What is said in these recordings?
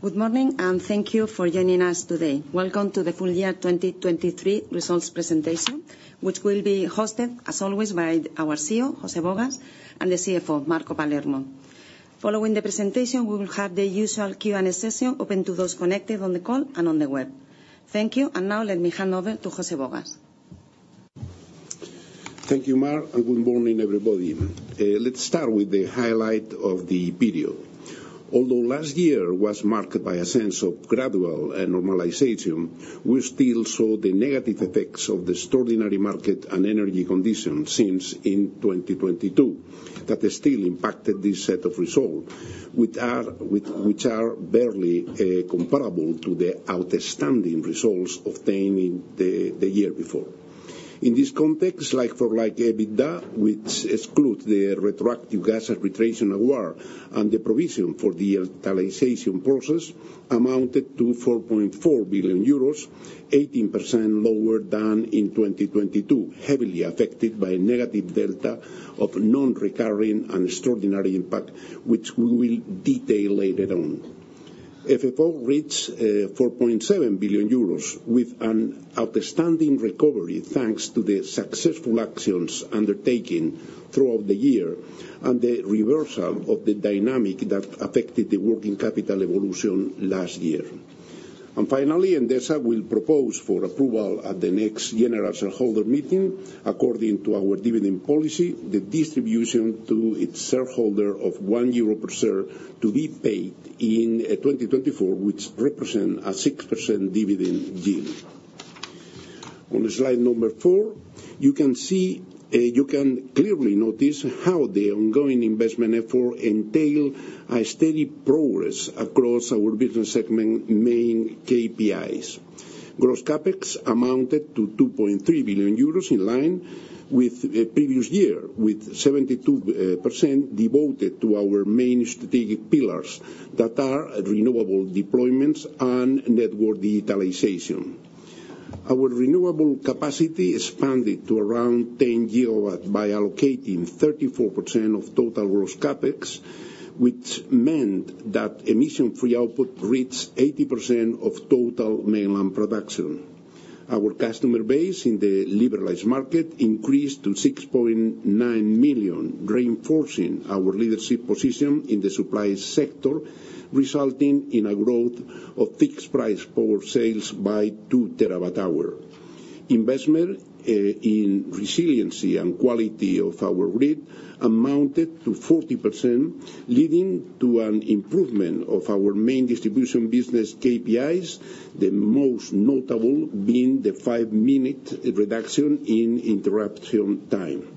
Good morning, and thank you for joining us today. Welcome to the full year 2023 results presentation, which will be hosted, as always, by our CEO, José Bogas, and the CFO, Marco Palermo. Following the presentation, we will have the usual Q&A session open to those connected on the call and on the web. Thank you, and now let me hand over to José Bogas. Thank you, Mar, and good morning, everybody. Let's start with the highlight of the period. Although last year was marked by a sense of gradual normalization, we still saw the negative effects of the extraordinary market and energy conditions since 2022 that still impacted this set of results, which are barely comparable to the outstanding results obtained in the year before. In this context, like-for-like EBITDA, which excludes the retroactive gas arbitration award and the provision for the utilization process, amounted to 4.4 billion euros, 18% lower than in 2022, heavily affected by a negative delta of non-recurring and extraordinary impact, which we will detail later on. FFO reached 4.7 billion euros, with an outstanding recovery thanks to the successful actions undertaken throughout the year and the reversal of the dynamic that affected the working capital evolution last year. And finally, Endesa will propose for approval at the next general shareholder meeting, according to our dividend policy, the distribution to its shareholder of 1 euro per share to be paid in 2024, which represents a 6% dividend yield. On slide number 4, you can clearly notice how the ongoing investment effort entails a steady progress across our business segment main KPIs. Gross CapEx amounted to EUR 2.3 billion in line with the previous year, with 72% devoted to our main strategic pillars that are renewable deployments and network digitalization. Our renewable capacity expanded to around 10 GW by allocating 34% of total gross CapEx, which meant that emission-free output reached 80% of total mainland production. Our customer base in the liberalized market increased to 6.9 million, reinforcing our leadership position in the supply sector, resulting in a growth of fixed-price power sales by 2 TWh. Investment in resiliency and quality of our grid amounted to 40%, leading to an improvement of our main distribution business KPIs, the most notable being the five minute reduction in interruption time.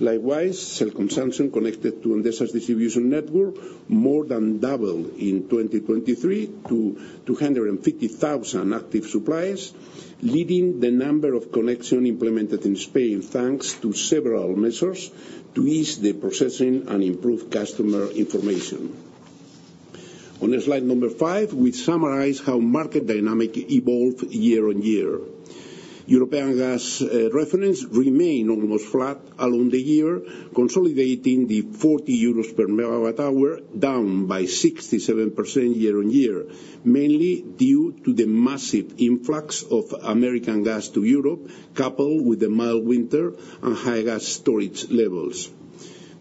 Likewise, self-consumption connected to Endesa's distribution network more than doubled in 2023 to 250,000 active supplies, leading the number of connections implemented in Spain thanks to several measures to ease the processing and improve customer information. On slide number 5, we summarize how market dynamics evolve year-on-year. European gas reference remained almost flat along the year, consolidating the 40 euros per MWh down by 67% year-on-year, mainly due to the massive influx of American gas to Europe, coupled with the mild winter and high gas storage levels.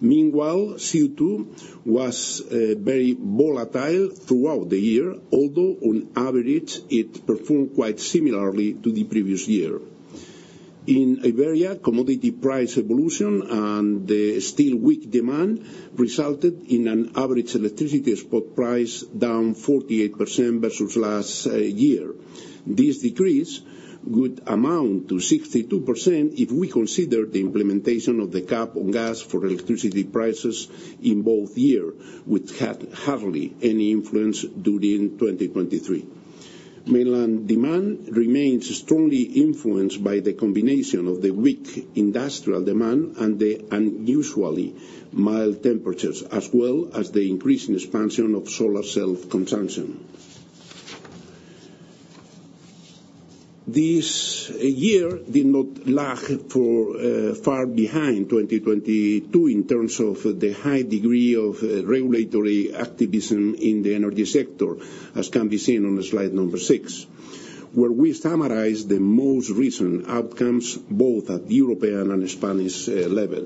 Meanwhile, CO2 was very volatile throughout the year, although on average it performed quite similarly to the previous year. In Iberia, commodity price evolution and the still weak demand resulted in an average electricity spot price down 48% versus last year. This decrease would amount to 62% if we consider the implementation of the cap on gas for electricity prices in both years, which had hardly any influence during 2023. Mainland demand remains strongly influenced by the combination of the weak industrial demand and the unusually mild temperatures, as well as the increasing expansion of solar self-consumption. This year did not lag far behind 2022 in terms of the high degree of regulatory activism in the energy sector, as can be seen on slide number 6, where we summarize the most recent outcomes both at the European and Spanish level.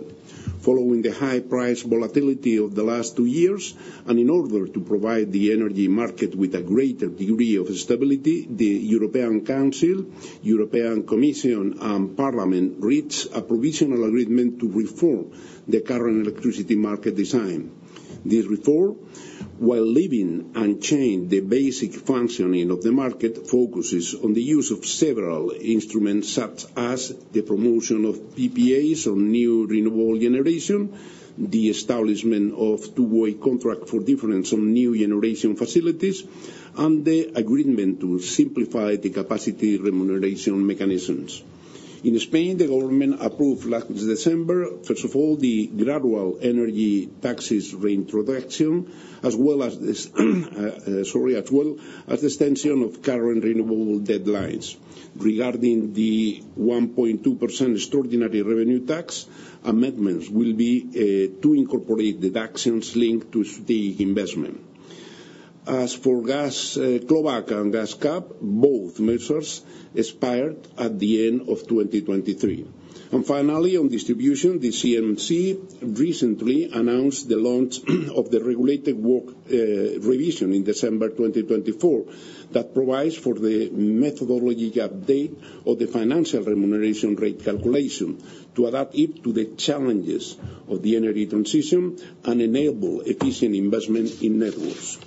Following the high price volatility of the last two years, and in order to provide the energy market with a greater degree of stability, the European Council, European Commission, and Parliament reached a provisional agreement to reform the current electricity market design. This reform, while leaving unchanged the basic functioning of the market, focuses on the use of several instruments such as the promotion of PPAs on new renewable generation, the establishment of two-way contracts for difference on new generation facilities, and the agreement to simplify the capacity remuneration mechanisms. In Spain, the government approved last December, first of all, the gradual energy taxes reintroduction, as well as the extension of current renewable deadlines. Regarding the 1.2% extraordinary revenue tax, amendments will be to incorporate the taxations linked to strategic investment. As for gas clawback and gas cap, both measures expired at the end of 2023. Finally, on distribution, the CNMC recently announced the launch of the regulated WACC revision in December 2024 that provides for the methodology update of the financial remuneration rate calculation to adapt it to the challenges of the energy transition and enable efficient investment in networks.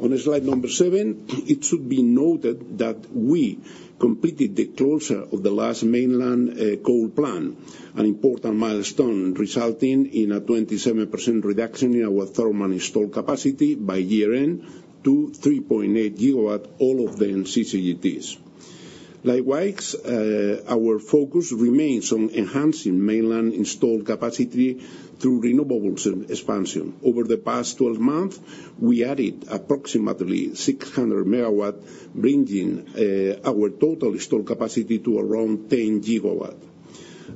On slide number seven, it should be noted that we completed the closure of the last mainland coal plant, an important milestone resulting in a 27% reduction in our thermal installed capacity by year-end to 3.8 GW, all of the CCGTs. Likewise, our focus remains on enhancing mainland installed capacity through renewables expansion. Over the past 12 months, we added approximately 600 MW, bringing our total installed capacity to around 10 GW.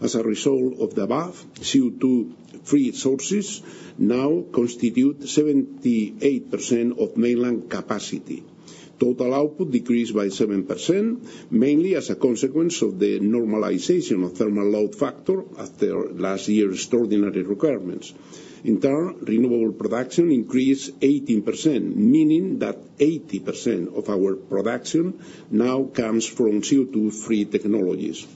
As a result of the above, CO2-free sources now constitute 78% of mainland capacity. Total output decreased by 7%, mainly as a consequence of the normalization of thermal load factor after last year's extraordinary requirements. In turn, renewable production increased 18%, meaning that 80% of our production now comes from CO2-free technologies.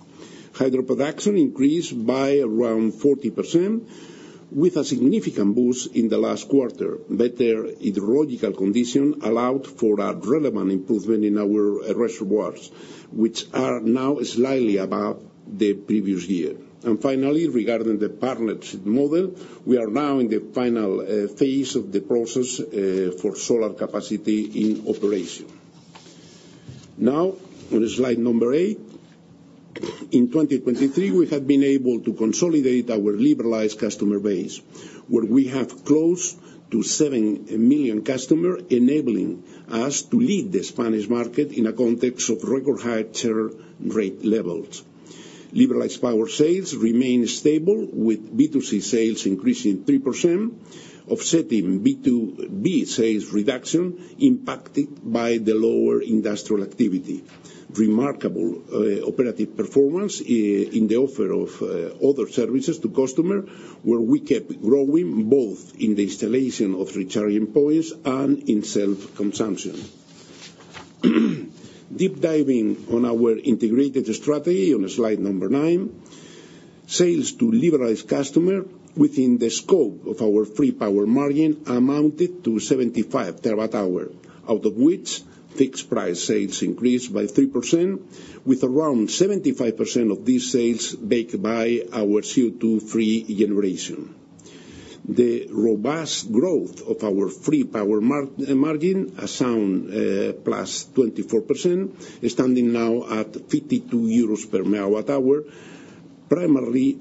Hydro production increased by around 40%, with a significant boost in the last quarter. Better hydrological conditions allowed for a relevant improvement in our reservoirs, which are now slightly above the previous year. And finally, regarding the partnership model, we are now in the final phase of the process for solar capacity in operation. Now, on slide number eight, in 2023, we have been able to consolidate our liberalized customer base, where we have close to 7 million customers, enabling us to lead the Spanish market in a context of record high churn rate levels. Liberalized power sales remain stable, with B2C sales increasing 3%, offsetting B2B sales reduction impacted by the lower industrial activity. Remarkable operative performance in the offer of other services to customers, where we kept growing both in the installation of recharging points and in self-consumption. Deep diving on our integrated strategy, on slide nine, sales to liberalized customers within the scope of our free power margin amounted to 75 TWh, out of which fixed-price sales increased by 3%, with around 75% of these sales backed by our CO2-free generation. The robust growth of our free power margin has sounded plus 24%, standing now at 52 euros per MWh, primarily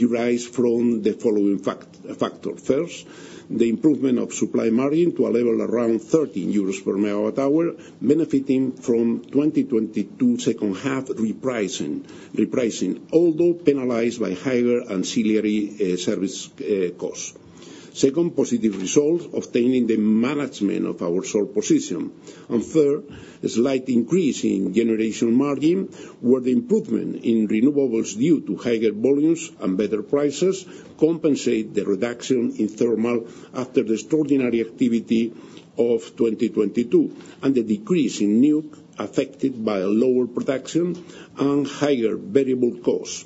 derived from the following factors. First, the improvement of supply margin to a level around 13 euros per MWh, benefiting from 2022 second half repricing, although penalized by higher ancillary service costs. Second, positive results obtained in the management of our short position. And third, a slight increase in generation margin, where the improvement in renewables due to higher volumes and better prices compensate the reduction in thermal after the extraordinary activity of 2022 and the decrease in nukes affected by a lower production and higher variable costs.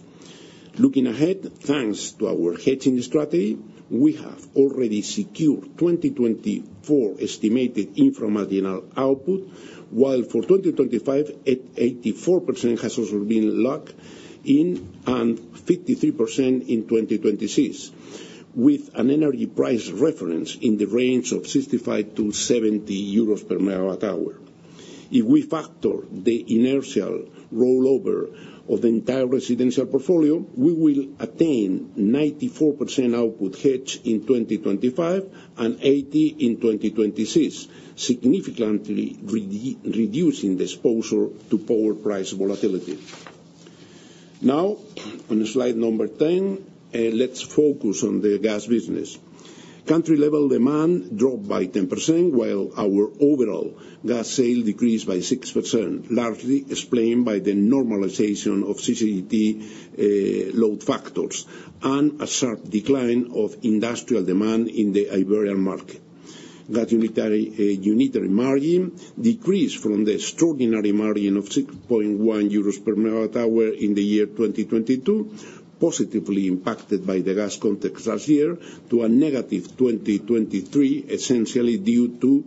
Looking ahead, thanks to our hedging strategy, we have already secured 2024 estimated inframarginal output, while for 2025, 84% has also been locked in and 53% in 2026, with an energy price reference in the range of 65-70 euros per MWh. If we factor the inertial rollover of the entire residential portfolio, we will attain 94% output hedge in 2025 and 80% in 2026, significantly reducing the exposure to power price volatility. Now, on slide number 10, let's focus on the gas business. Country-level demand dropped by 10%, while our overall gas sales decreased by 6%, largely explained by the normalization of CCGT load factors and a sharp decline of industrial demand in the Iberian market. Gas unitary margin decreased from the extraordinary margin of 6.1 euros per MWh in the year 2022, positively impacted by the gas context last year to a negative 2023, essentially due to,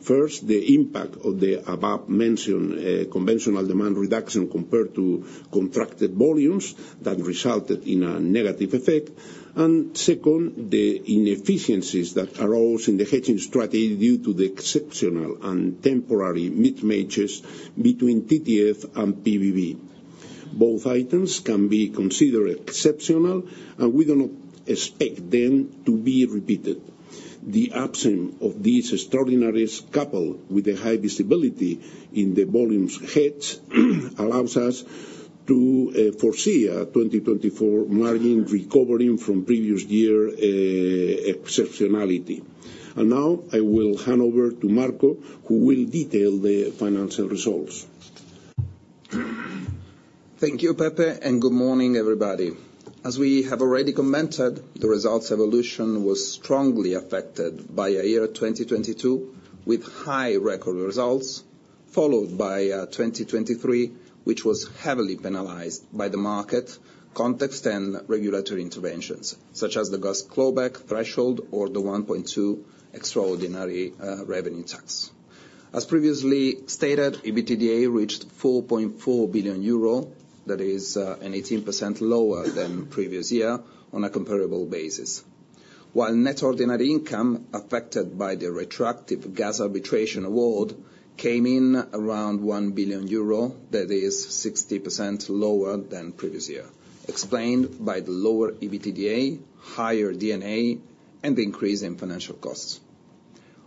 first, the impact of the above-mentioned conventional demand reduction compared to contracted volumes that resulted in a negative effect. And second, the inefficiencies that arose in the hedging strategy due to the exceptional and temporary mismatches between TTF and PVB. Both items can be considered exceptional, and we do not expect them to be repeated. The absence of these extraordinaries, coupled with the high visibility in the volumes hedged, allows us to foresee a 2024 margin recovering from previous year exceptionality. Now, I will hand over to Marco, who will detail the financial results. Thank you, Pepe, and good morning, everybody. As we have already commented, the results evolution was strongly affected by a year 2022 with high record results, followed by 2023, which was heavily penalized by the market, context, and regulatory interventions, such as the gas CLOVAC threshold or the 1.2% extraordinary revenue tax. As previously stated, EBITDA reached 4.4 billion euro. That is an 18% lower than previous year on a comparable basis. While net ordinary income affected by the retroactive gas arbitration award came in around 1 billion euro. That is 60% lower than previous year, explained by the lower EBITDA, higher D&A, and the increase in financial costs.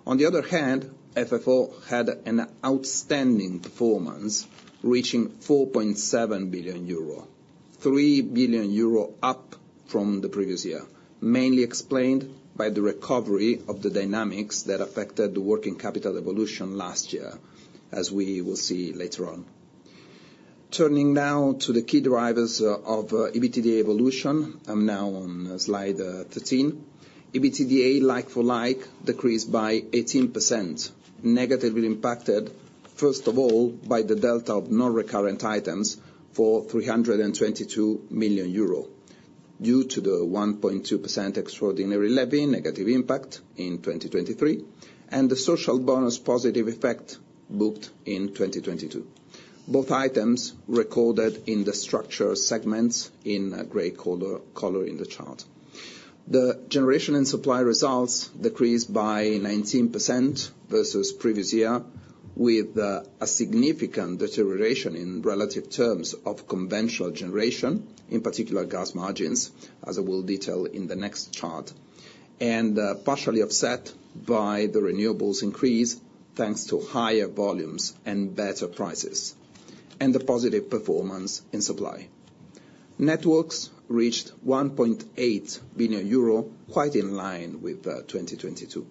On the other hand, FFO had an outstanding performance, reaching 4.7 billion euro, 3 billion euro up from the previous year, mainly explained by the recovery of the dynamics that affected the working capital evolution last year, as we will see later on. Turning now to the key drivers of EBITDA evolution, I'm now on slide 13. EBITDA, like for like, decreased by 18%, negatively impacted, first of all, by the delta of non-recurrent items for 322 million euro due to the 1.2% extraordinary levy, negative impact in 2023, and the social bonus positive effect booked in 2022. Both items recorded in the structure segments in gray color in the chart. The generation and supply results decreased by 19% versus previous year, with a significant deterioration in relative terms of conventional generation, in particular gas margins, as I will detail in the next chart, and partially offset by the renewables increase thanks to higher volumes and better prices, and the positive performance in supply. Networks reached 1.8 billion euro, quite in line with 2022.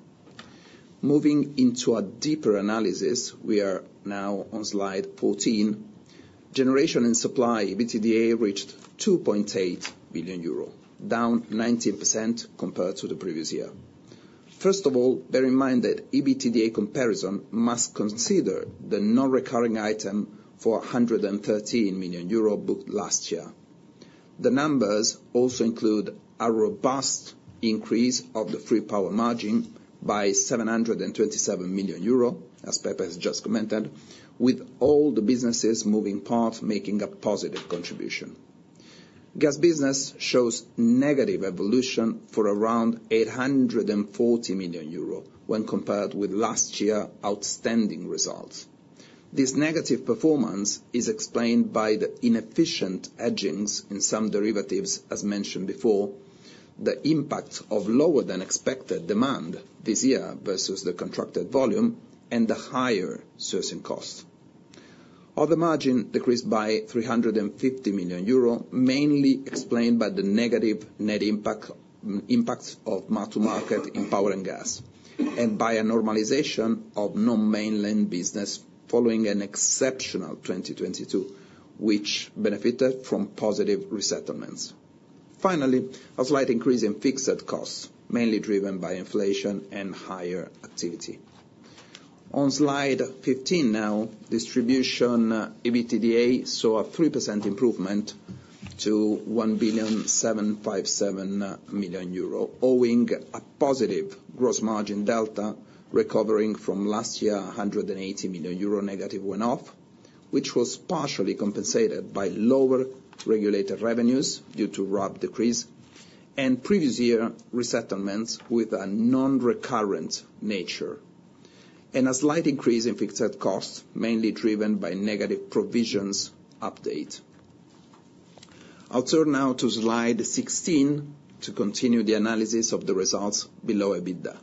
Moving into a deeper analysis, we are now on slide 14. Generation and supply EBITDA reached 2.8 billion euro, down 19% compared to the previous year. First of all, bear in mind that EBITDA comparison must consider the non-recurring item for 113 million euro booked last year. The numbers also include a robust increase of the free power margin by 727 million euro, as Pepe has just commented, with all the businesses moving part, making a positive contribution. Gas business shows negative evolution for around 840 million euro when compared with last year's outstanding results. This negative performance is explained by the inefficient hedgings in some derivatives, as mentioned before, the impact of lower-than-expected demand this year versus the contracted volume, and the higher sourcing costs. Other margin decreased by 350 million euro, mainly explained by the negative net impacts of market to market in power and gas, and by a normalization of non-mainland business following an exceptional 2022, which benefited from positive resettlements. Finally, a slight increase in fixed costs, mainly driven by inflation and higher activity. On slide 15 now, distribution EBITDA saw a 3% improvement to 1.757 million euro, owing a positive gross margin delta recovering from last year's 180 million euro negative one-off, which was partially compensated by lower regulated revenues due to RAB decrease and previous year's resettlements with a non-recurrent nature, and a slight increase in fixed costs, mainly driven by negative provisions update. I'll turn now to slide 16 to continue the analysis of the results below EBITDA.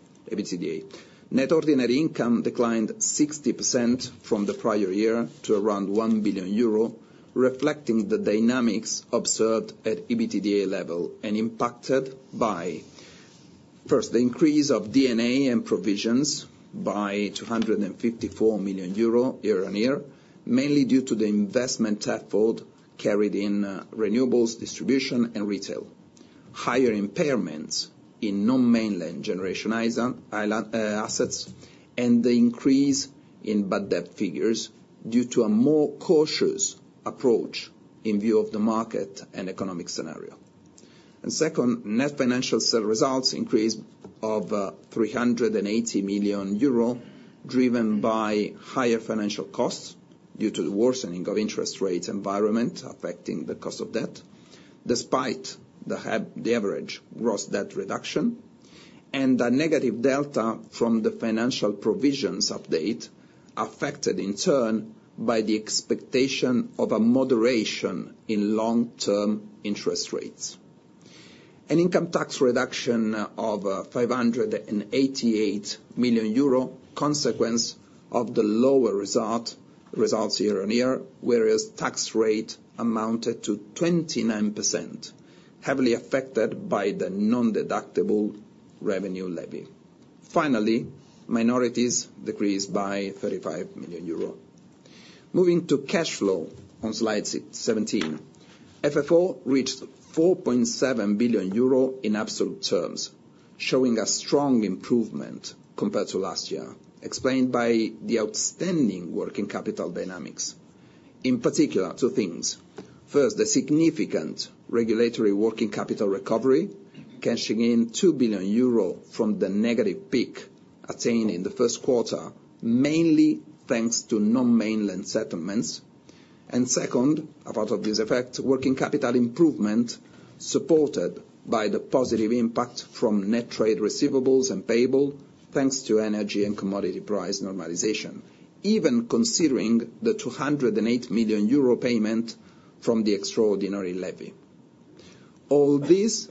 Net ordinary income declined 60% from the prior year to around 1 billion euro, reflecting the dynamics observed at EBITDA level and impacted by, first, the increase of D&A and provisions by EUR 254 million year-on-year, mainly due to the investment effort carried in renewables, distribution, and retail, higher impairments in non-mainland generation assets, and the increase in bad debt figures due to a more cautious approach in view of the market and economic scenario. And second, net financial results increased of 380 million euro, driven by higher financial costs due to the worsening of interest rate environment affecting the cost of debt, despite the average gross debt reduction, and a negative delta from the financial provisions update affected, in turn, by the expectation of a moderation in long-term interest rates. An income tax reduction of 588 million euros, consequence of the lower results year-on-year, whereas tax rate amounted to 29%, heavily affected by the non-deductible revenue levy. Finally, minorities decreased by 35 million euro. Moving to cash flow on slide 17, FFO reached 4.7 billion euro in absolute terms, showing a strong improvement compared to last year, explained by the outstanding working capital dynamics, in particular, two things. First, the significant regulatory working capital recovery, cashing in 2 billion euro from the negative peak attained in the first quarter, mainly thanks to non-mainland settlements. Second, a part of this effect, working capital improvement supported by the positive impact from net trade receivables and payable, thanks to energy and commodity price normalization, even considering the 208 million euro payment from the extraordinary levy. All this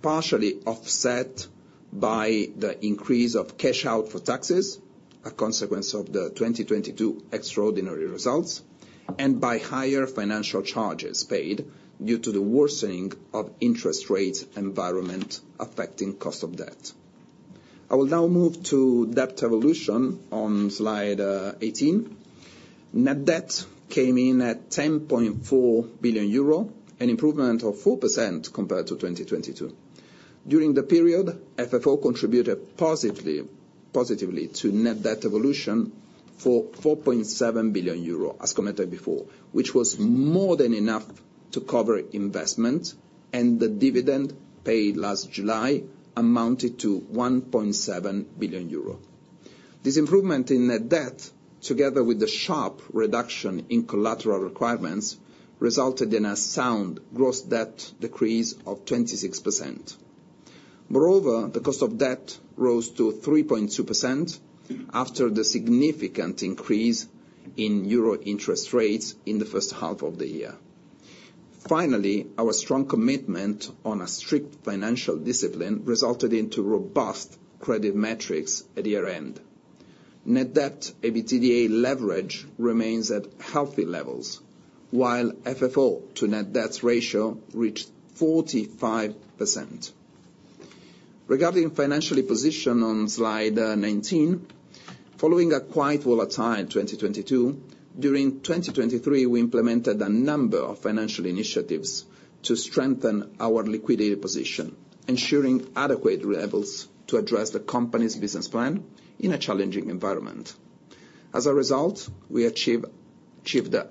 partially offset by the increase of cash out for taxes, a consequence of the 2022 extraordinary results, and by higher financial charges paid due to the worsening of interest rate environment affecting cost of debt. I will now move to debt evolution on slide 18. Net debt came in at 10.4 billion euro, an improvement of 4% compared to 2022. During the period, FFO contributed positively to net debt evolution for 4.7 billion euro, as commented before, which was more than enough to cover investment, and the dividend paid last July amounted to 1.7 billion euro. This improvement in net debt, together with the sharp reduction in collateral requirements, resulted in a sound gross debt decrease of 26%. Moreover, the cost of debt rose to 3.2% after the significant increase in euro interest rates in the first half of the year. Finally, our strong commitment on a strict financial discipline resulted in robust credit metrics at year-end. Net debt EBITDA leverage remains at healthy levels, while FFO to net debt ratio reached 45%. Regarding financial position on slide 19, following a quite volatile 2022, during 2023, we implemented a number of financial initiatives to strengthen our liquidity position, ensuring adequate levels to address the company's business plan in a challenging environment. As a result, we achieved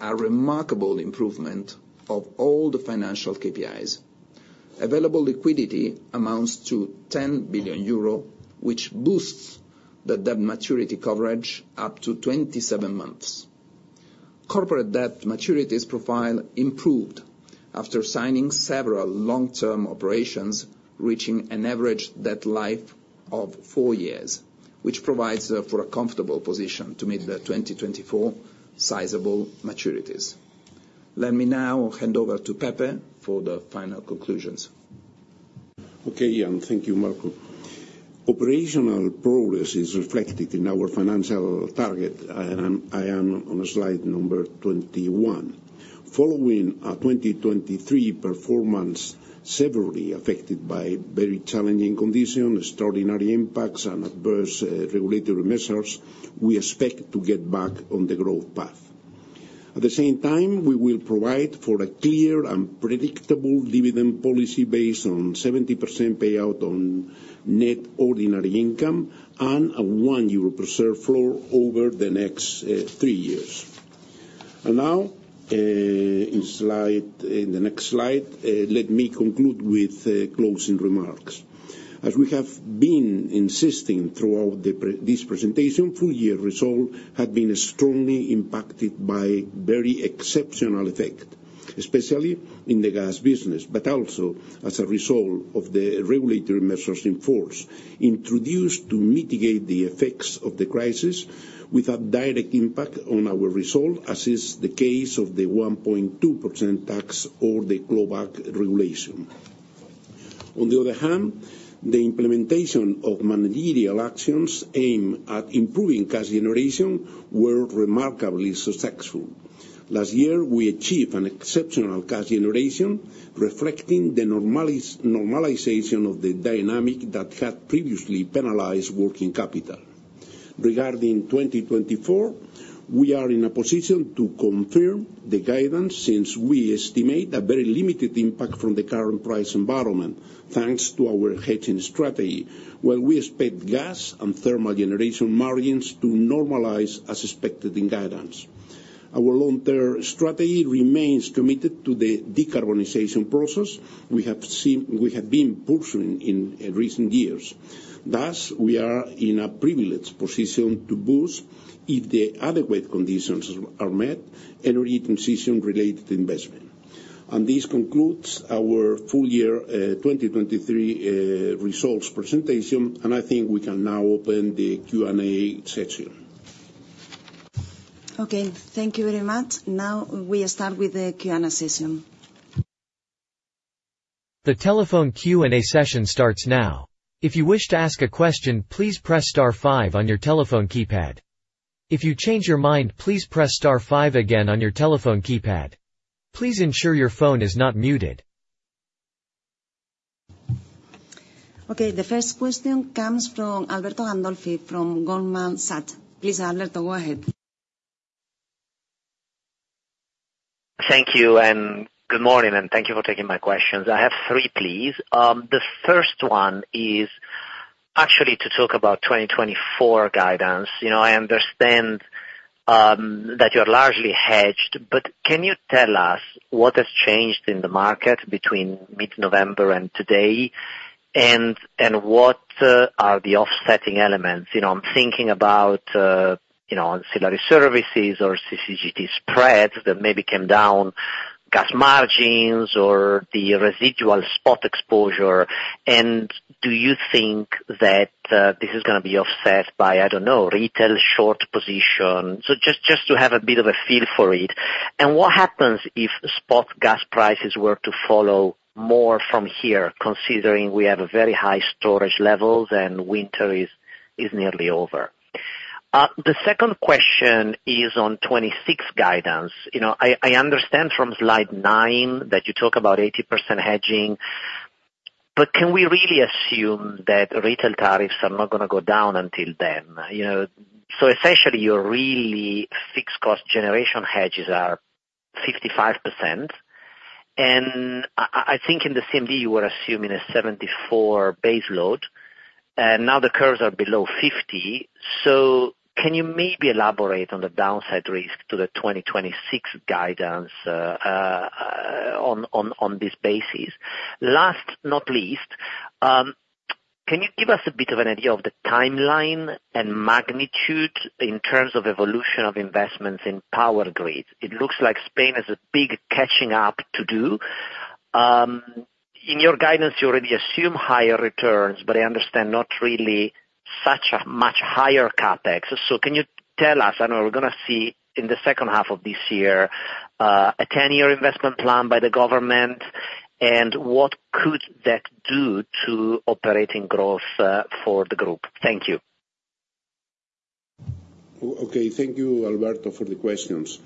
a remarkable improvement of all the financial KPIs. Available liquidity amounts to 10 billion euro, which boosts the debt maturity coverage up to 27 months. Corporate debt maturities profile improved after signing several long-term operations, reaching an average debt life of four years, which provides for a comfortable position to meet the 2024 sizable maturities. Let me now hand over to Pepe for the final conclusions. Okay, Ian. Thank you, Marco. Operational progress is reflected in our financial target, and I am on slide number 21. Following a 2023 performance severely affected by very challenging conditions, extraordinary impacts, and adverse regulatory measures, we expect to get back on the growth path. At the same time, we will provide for a clear and predictable dividend policy based on 70% payout on net ordinary income and a EUR 1 reserve floor over the next three years. And now, in the next slide, let me conclude with closing remarks. As we have been insisting throughout this presentation, full year result had been strongly impacted by very exceptional effect, especially in the gas business, but also as a result of the regulatory measures in force introduced to mitigate the effects of the crisis without direct impact on our result, as is the case of the 1.2% tax or the CLOVAC regulation. On the other hand, the implementation of managerial actions aimed at improving cash generation were remarkably successful. Last year, we achieved an exceptional cash generation, reflecting the normalization of the dynamic that had previously penalized working capital. Regarding 2024, we are in a position to confirm the guidance since we estimate a very limited impact from the current price environment, thanks to our hedging strategy, while we expect gas and thermal generation margins to normalize as expected in guidance. Our long-term strategy remains committed to the decarbonization process we have been pursuing in recent years. Thus, we are in a privileged position to boost, if the adequate conditions are met, energy transition-related investment. This concludes our full year 2023 results presentation, and I think we can now open the Q&A session. Okay. Thank you very much. Now we start with the Q&A session. The telephone Q&A session starts now. If you wish to ask a question, please press star five on your telephone keypad. If you change your mind, please press star five again on your telephone keypad. Please ensure your phone is not muted. Okay. The first question comes from Alberto Gandolfi from Goldman Sachs. Please, Alberto, go ahead. Thank you, and good morning, and thank you for taking my questions. I have three, please. The first one is actually to talk about 2024 guidance. I understand that you are largely hedged, but can you tell us what has changed in the market between mid-November and today, and what are the offsetting elements? I'm thinking about ancillary services or CCGT spreads that maybe came down, gas margins, or the residual spot exposure. And do you think that this is going to be offset by, I don't know, retail short position? So just to have a bit of a feel for it. And what happens if spot gas prices were to follow more from here, considering we have very high storage levels and winter is nearly over? The second question is on 2026 guidance. I understand from slide 9 that you talk about 80% hedging, but can we really assume that retail tariffs are not going to go down until then? So essentially, your real fixed cost generation hedges are 55%, and I think in the CMD you were assuming a 74 base load, and now the curves are below 50. So can you maybe elaborate on the downside risk to the 2026 guidance on this basis? Last but not least, can you give us a bit of an idea of the timeline and magnitude in terms of evolution of investments in power grids? It looks like Spain has a big catching up to do. In your guidance, you already assume higher returns, but I understand not really such a much higher CapEx. So can you tell us? I know we're going to see in the second half of this year a 10-year investment plan by the government, and what could that do to operating growth for the group? Thank you. Okay. Thank you, Alberto, for the questions.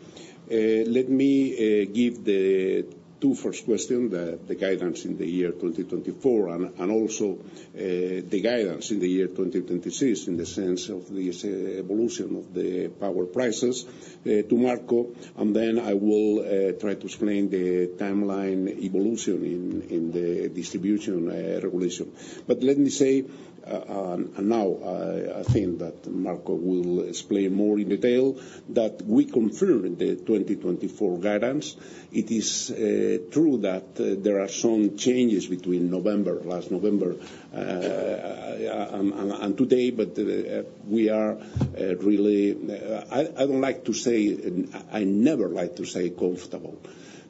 Let me give the two first questions, the guidance in the year 2024 and also the guidance in the year 2026 in the sense of this evolution of the power prices to Marco, and then I will try to explain the timeline evolution in the distribution regulation. But let me say now a thing that Marco will explain more in detail, that we confirm the 2024 guidance. It is true that there are some changes between November, last November, and today, but we are really, I don't like to say, I never like to say comfortable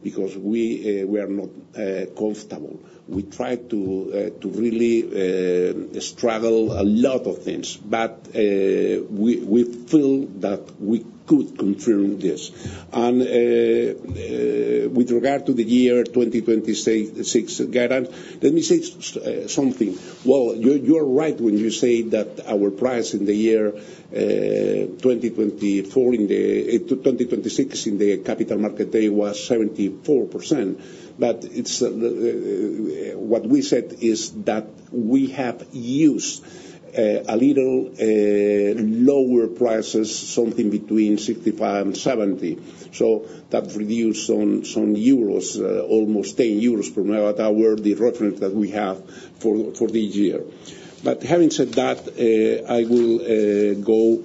because we are not comfortable. We try to really struggle a lot of things, but we feel that we could confirm this. And with regard to the year 2026 guidance, let me say something. Well, you are right when you say that our price in the year 2026 in the Capital Markets Day was 74%, but what we said is that we have used a little lower prices, something between 65%-70%, so that reduced some euros, almost 10 euros per MWh, the reference that we have for this year. But having said that, I will go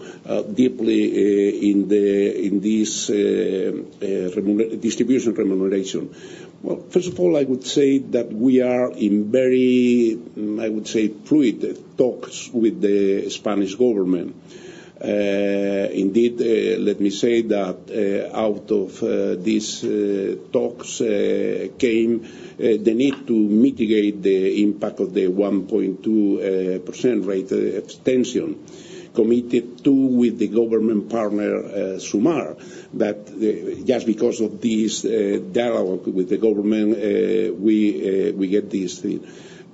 deeply in this distribution remuneration. Well, first of all, I would say that we are in very, I would say, fluid talks with the Spanish government. Indeed, let me say that out of these talks came the need to mitigate the impact of the 1.2% rate extension committed to with the government partner Sumar. But just because of this dialogue with the government, we get this thing.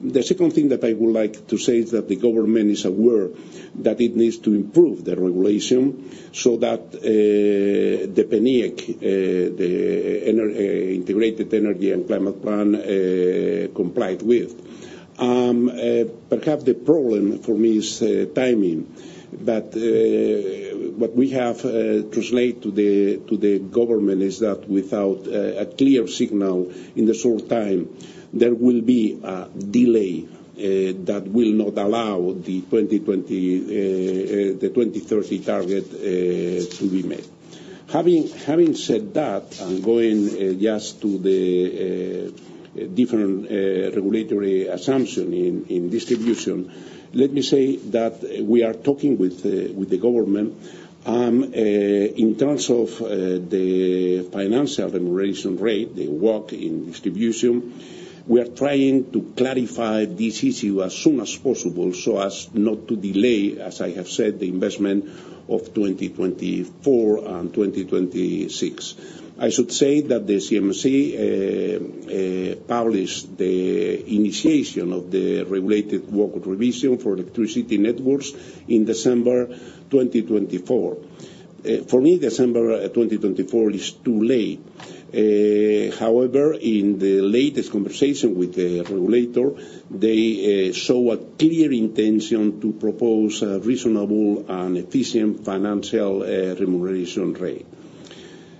The second thing that I would like to say is that the government is aware that it needs to improve the regulation so that the PNIEC, the Integrated Energy and Climate Plan, complied with. Perhaps the problem for me is timing, but what we have translated to the government is that without a clear signal in the short time, there will be a delay that will not allow the 2030 target to be met. Having said that and going just to the different regulatory assumption in distribution, let me say that we are talking with the government in terms of the financial remuneration rate, the work in distribution. We are trying to clarify this issue as soon as possible so as not to delay, as I have said, the investment of 2024 and 2026. I should say that the CNMC published the initiation of the regulated rate revision for electricity networks in December 2024. For me, December 2024 is too late. However, in the latest conversation with the regulator, they show a clear intention to propose a reasonable and efficient financial remuneration rate.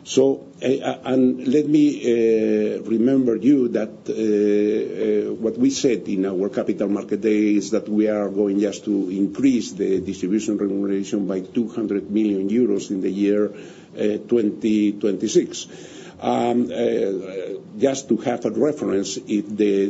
Let me remind you that what we said in our Capital Markets Day is that we are going just to increase the distribution remuneration by 200 million euros in the year 2026. Just to have a reference, if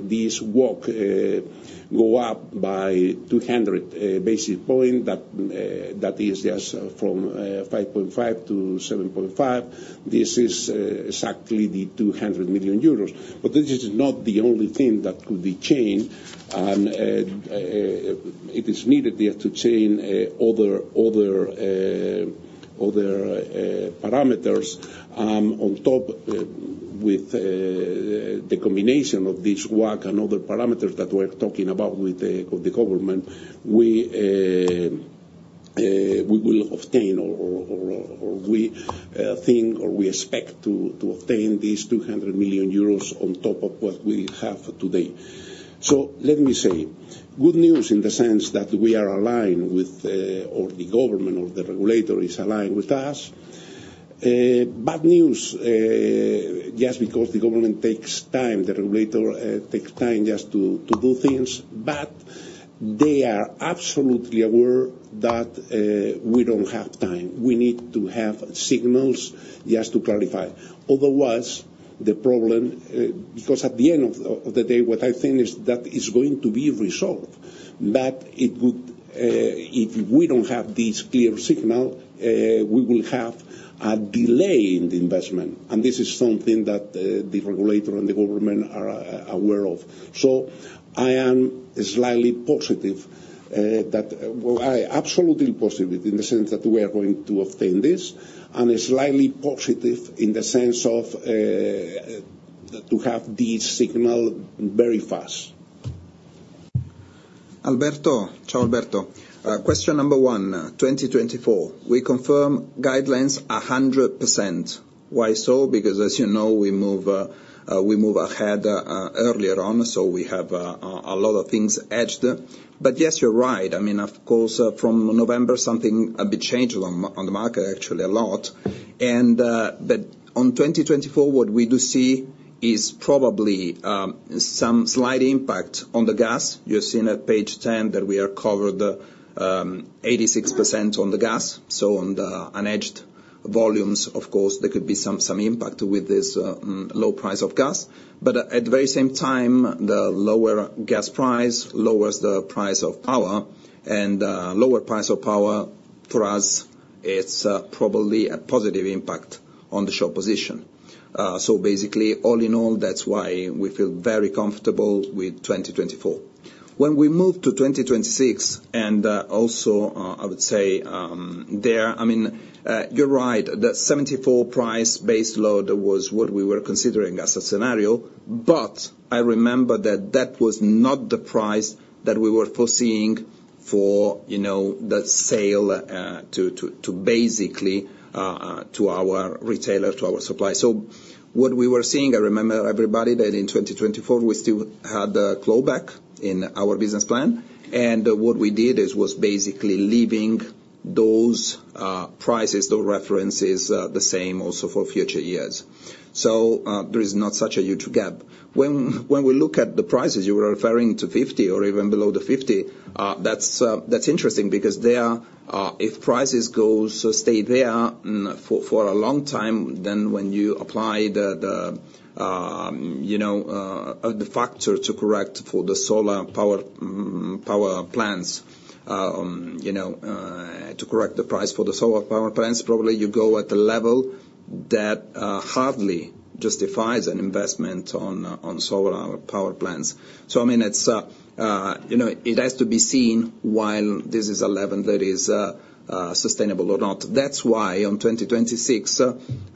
this rate goes up by 200 basis points, that is just from 5.5% to 7.5%, this is exactly the 200 million euros. But this is not the only thing that could be changed, and it is needed just to change other parameters. On top, with the combination of this work and other parameters that we're talking about with the government, we will obtain or we think or we expect to obtain these 200 million euros on top of what we have today. So let me say, good news in the sense that we are aligned with or the government or the regulator is aligned with us. Bad news just because the government takes time, the regulator takes time just to do things, but they are absolutely aware that we don't have time. We need to have signals just to clarify. Otherwise, the problem because at the end of the day, what I think is that it's going to be resolved, but if we don't have this clear signal, we will have a delay in the investment, and this is something that the regulator and the government are aware of. So I am slightly positive that well, I absolutely positive in the sense that we are going to obtain this and slightly positive in the sense of to have this signal very fast. Alberto? Ciao, Alberto. Question number one, 2024. We confirm guidelines 100%. Why so? Because, as you know, we move ahead earlier on, so we have a lot of things hedged. But yes, you're right. I mean, of course, from November, something a bit changed on the market, actually, a lot. But on 2024, what we do see is probably some slight impact on the gas. You've seen at page 10 that we are covered 86% on the gas. So on the unhedged volumes, of course, there could be some impact with this low price of gas. But at the very same time, the lower gas price lowers the price of power, and lower price of power, for us, it's probably a positive impact on the short position. So basically, all in all, that's why we feel very comfortable with 2024. When we move to 2026 and also, I would say, there I mean, you're right. The 74 price base load was what we were considering as a scenario, but I remember that that was not the price that we were foreseeing for the sale to basically to our retailer, to our supplier. So what we were seeing I remember everybody that in 2024, we still had a clawback in our business plan, and what we did was basically leaving those prices, those references, the same also for future years. So there is not such a huge gap. When we look at the prices, you were referring to 50 or even below the 50. That's interesting because if prices stay there for a long time, then when you apply the factor to correct for the solar power plants to correct the price for the solar power plants, probably you go at a level that hardly justifies an investment on solar power plants. So I mean, it has to be seen while this is a level that is sustainable or not. That's why on 2026,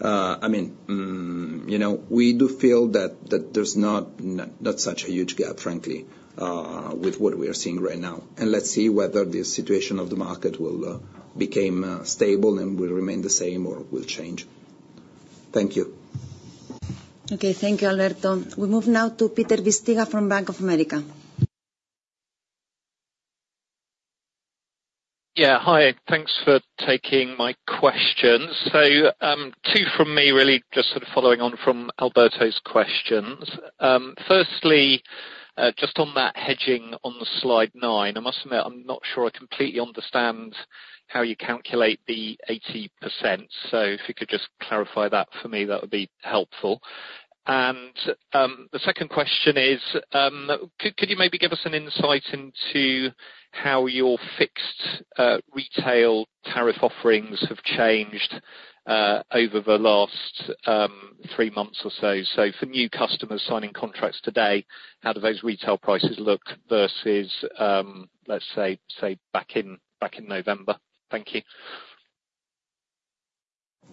I mean, we do feel that there's not such a huge gap, frankly, with what we are seeing right now. And let's see whether this situation of the market will become stable and will remain the same or will change. Thank you. Okay. Thank you, Alberto. We move now to Peter Bisztyga from Bank of America. Yeah. Hi. Thanks for taking my questions. So two from me, really, just sort of following on from Alberto's questions. Firstly, just on that hedging on slide 9, I must admit, I'm not sure I completely understand how you calculate the 80%. So if you could just clarify that for me, that would be helpful. And the second question is, could you maybe give us an insight into how your fixed retail tariff offerings have changed over the last three months or so? So for new customers signing contracts today, how do those retail prices look versus, let's say, back in November? Thank you.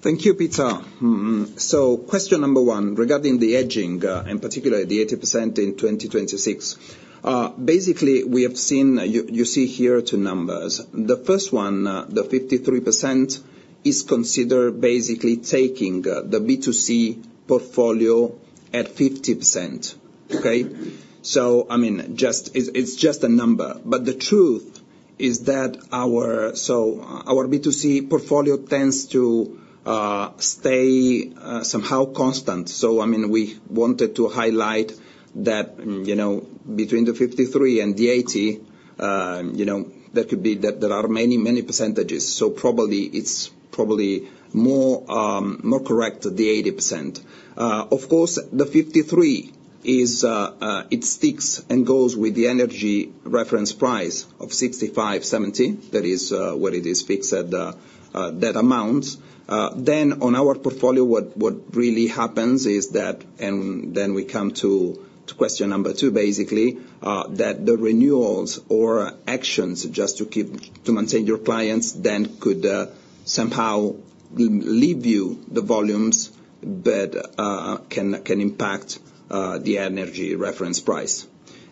Thank you, Peter. So question number one, regarding the hedging and particularly the 80% in 2026. Basically, we have seen you see here two numbers. The first one, the 53%, is considered basically taking the B2C portfolio at 50%, okay? So I mean, it's just a number. But the truth is that our B2C portfolio tends to stay somehow constant. So I mean, we wanted to highlight that between the 53 and the 80, there are many, many percentages. So probably, it's more correct, the 80%. Of course, the 53, it sticks and goes with the energy reference price of 65-70. That is where it is fixed at that amount. Then on our portfolio, what really happens is that then we come to question number two, basically, that the renewals or actions just to maintain your clients then could somehow leave you the volumes but can impact the energy reference price.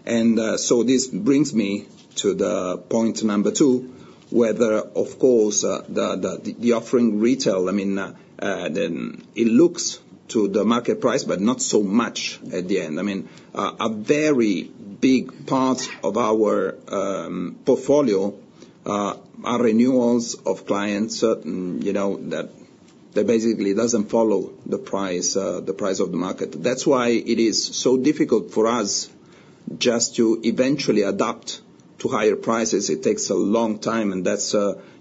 And so this brings me to the point number two, whether, of course, the offering retail I mean, it looks to the market price but not so much at the end. I mean, a very big part of our portfolio are renewals of clients that basically doesn't follow the price of the market. That's why it is so difficult for us just to eventually adapt to higher prices. It takes a long time, and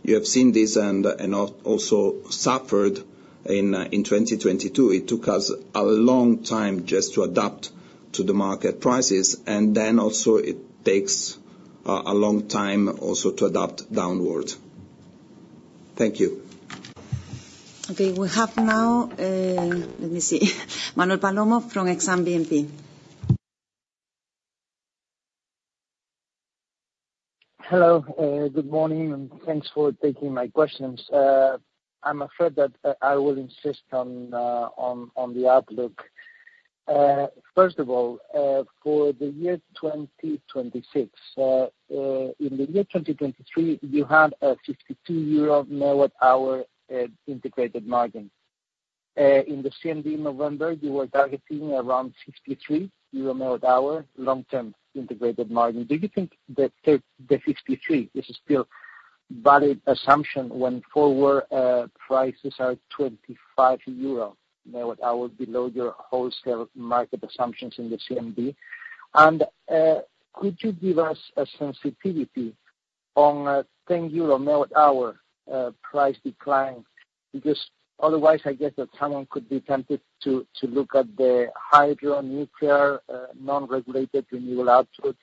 you have seen this and also suffered in 2022. It took us a long time just to adapt to the market prices, and then also, it takes a long time also to adapt downwards. Thank you. Okay. We have now let me see. Manuel Palomo from Exane BNP Paribas. Hello. Good morning. And thanks for taking my questions. I'm afraid that I will insist on the outlook. First of all, for the year 2026, in the year 2023, you had a 52 euro MWh integrated margin. In the same year, November, you were targeting around 53 euro MWh long-term integrated margin. Do you think the 53 is still a valid assumption when forward prices are 25 euro MWh below your wholesale market assumptions in the CMD? And could you give us a sensitivity on a 10 euro MWh price decline? Because otherwise, I guess that someone could be tempted to look at the hydronuclear non-regulated renewable output,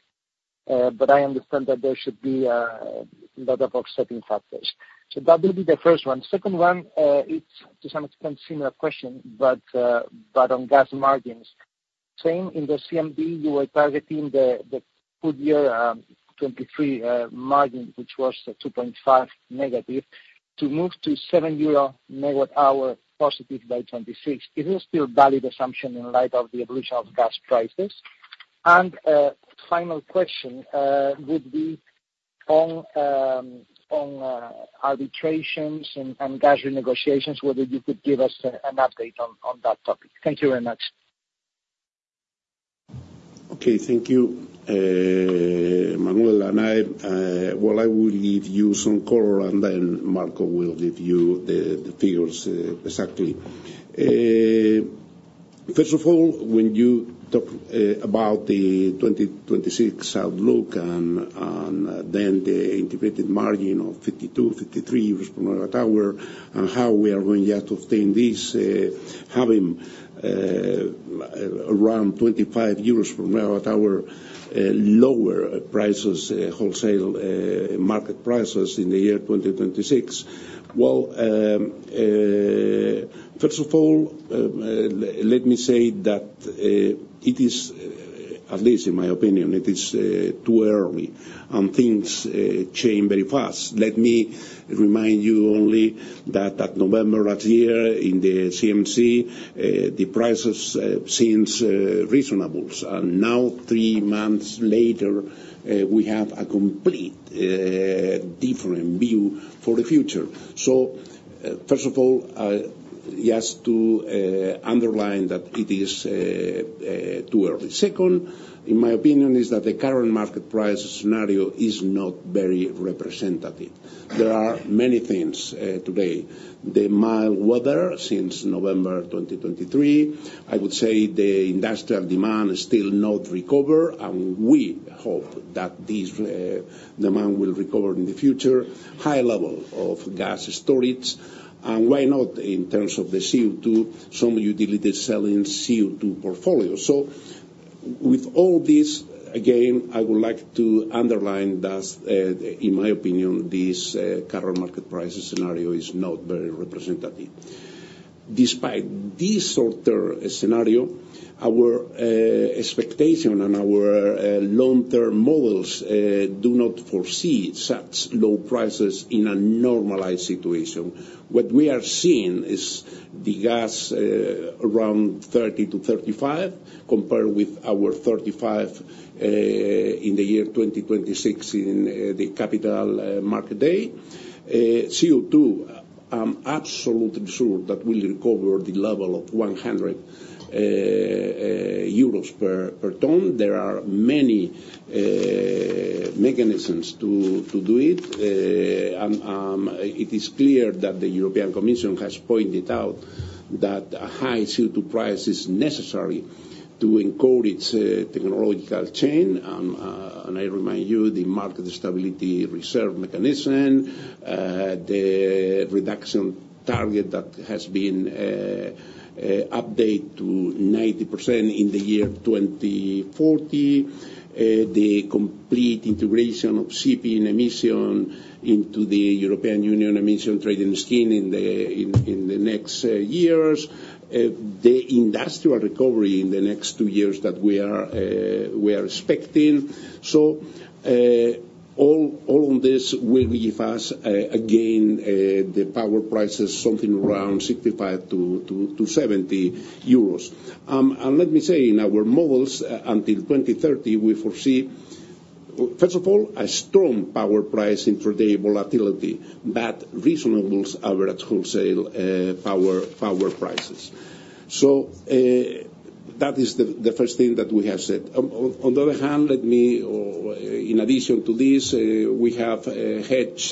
but I understand that there should be a lot of offsetting factors. So that will be the first one. Second one, it's to some extent a similar question, but on gas margins. Same, in the CMD, you were targeting the 2023 margin, which was -2.5, to move to +7 euro MWh by 2026. Is this still a valid assumption in light of the evolution of gas prices? And final question would be on arbitrations and gas renegotiations, whether you could give us an update on that topic. Thank you very much. Okay. Thank you, Manuel and Ir. Well, I will give you some color, and then Marco will give you the figures exactly. First of all, when you talk about the 2026 outlook and then the integrated margin of 52-53 euros per MWh and how we are going just to obtain this, having around EUR 25 per MWh lower prices, wholesale market prices in the year 2026, well, first of all, let me say that it is at least in my opinion, it is too early, and things change very fast. Let me remind you only that at November last year, in the CNMC, the prices seemed reasonable, and now, three months later, we have a completely different view for the future. So first of all, just to underline that it is too early. Second, in my opinion, is that the current market price scenario is not very representative. There are many things today. The mild weather since November 2023, I would say the industrial demand is still not recovered, and we hope that this demand will recover in the future. High level of gas storage, and why not, in terms of the CO2, some utilities selling CO2 portfolios. So with all this, again, I would like to underline that, in my opinion, this current market price scenario is not very representative. Despite this short-term scenario, our expectation and our long-term models do not foresee such low prices in a normalized situation. What we are seeing is the gas around 30-35 compared with our 35 in the year 2026 in the Capital Markets Day. CO2, I'm absolutely sure that will recover the level of 100 euros per ton. There are many mechanisms to do it, and it is clear that the European Commission has pointed out that a high CO2 price is necessary to encode its technological chain. I remind you, the Market Stability Reserve mechanism, the reduction target that has been updated to 90% in the year 2040, the complete integration of CP emission into the European Union Emissions Trading Scheme in the next years, the industrial recovery in the next two years that we are expecting. So all of this will give us, again, the power prices, something around 65-70 euros. And let me say, in our models, until 2030, we foresee, first of all, a strong power price intraday volatility that raises average wholesale power prices. So that is the first thing that we have said. On the other hand, let me, in addition to this, we have hedged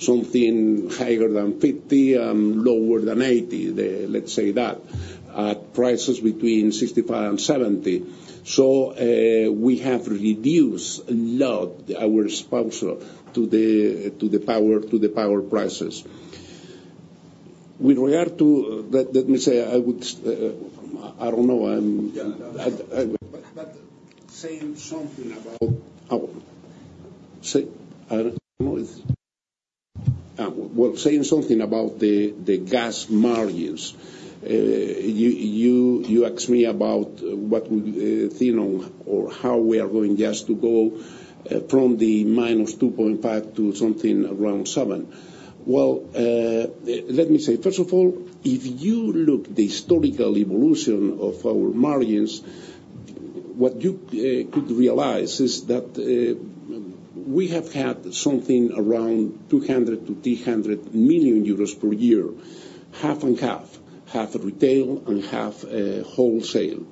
something higher than 50 and lower than 80, let's say that, at prices between 65 and 70. So we have reduced a lot our exposure to the power prices. With regard to, let me say, I don't know. Yeah. But saying something about, I don't know. Well, saying something about the gas margins, you asked me about what we think on or how we are going just to go from the -2.5 to something around 7. Well, let me say, first of all, if you look at the historical evolution of our margins, what you could realize is that we have had something around 200 million-300 million euros per year, half and half, half retail and half wholesale.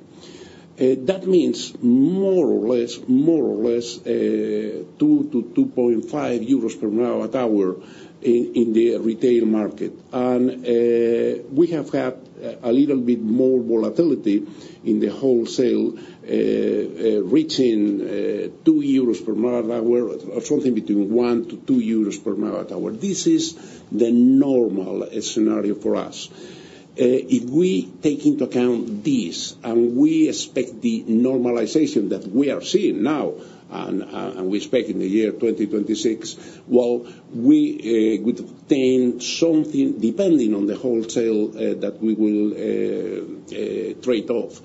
That means more or less, more or less, 2-2.5 euros per MWh in the retail market. We have had a little bit more volatility in the wholesale reaching 2 euros per MWh or something between 1-2 euros per MWh. This is the normal scenario for us. If we take into account this and we expect the normalization that we are seeing now and we expect in the year 2026, well, we could obtain something depending on the wholesale that we will trade off,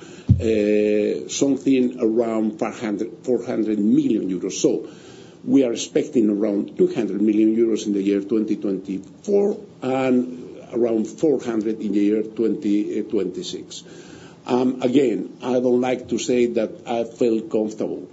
something around 400 million euros. So we are expecting around 200 million euros in the year 2024 and around 400 million in the year 2026. Again, I don't like to say that I feel comfortable.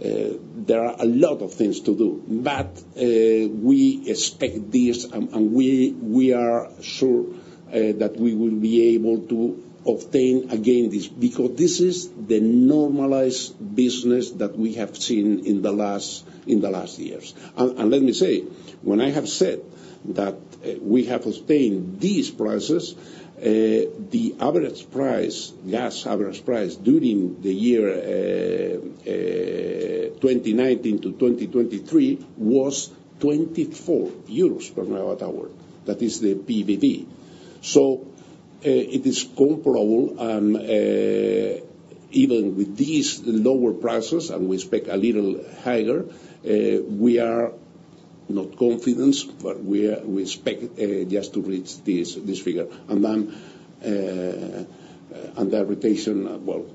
There are a lot of things to do, but we expect this, and we are sure that we will be able to obtain, again, this because this is the normalized business that we have seen in the last years. And let me say, when I have said that we have obtained these prices, the average price, gas average price during the year 2019 to 2023 was 24 euros per MWh. That is the PVB. So it is comparable, and even with these lower prices, and we expect a little higher, we are not confident, but we expect just to reach this figure. And then the arbitration, well.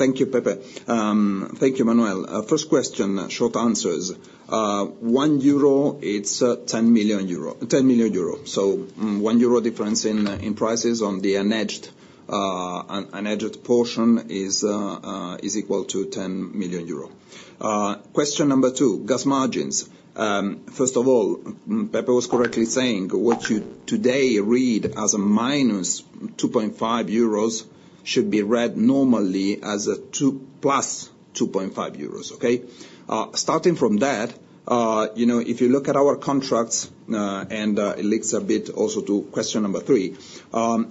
Thank you, Peter. Thank you, Manuel. First question, short answers. 1 euro, it's 10 million euro. So 1 euro difference in prices on the unhedged portion is equal to 10 million euro. Question number two, gas margins. First of all, Pepe was correctly saying what you today read as a -2.5 euros should be read normally as a +2.5 euros, okay? Starting from that, if you look at our contracts, and it links a bit also to question number 3,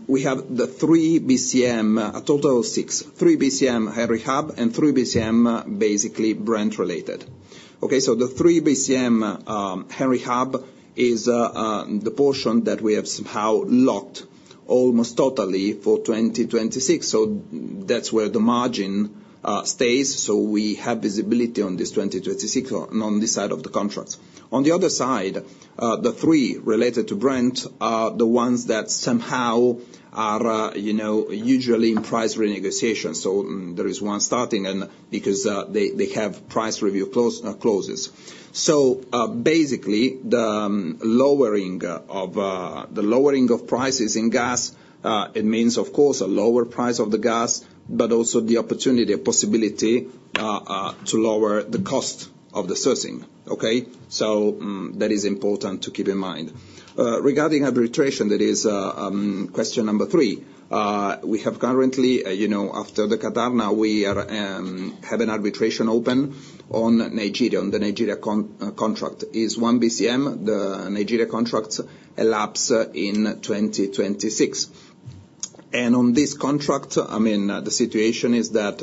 we have the 3 BCM, a total of 6, 3 BCM Henry Hub and 3 BCM basically Brent-related, okay? So the 3 BCM Henry Hub is the portion that we have somehow locked almost totally for 2026. So that's where the margin stays. So we have visibility on this 2026 on this side of the contracts. On the other side, the 3 related to brand are the ones that somehow are usually in price renegotiations. So there is 1 starting because they have price review closes. So basically, the lowering of prices in gas, it means, of course, a lower price of the gas but also the opportunity, possibility to lower the cost of the sourcing, okay? So that is important to keep in mind. Regarding arbitration, that is question number 3. We have currently after the Qatar, we have an arbitration open on Nigeria. The Nigeria contract is 1 BCM. The Nigeria contracts elapse in 2026. And on this contract, I mean, the situation is that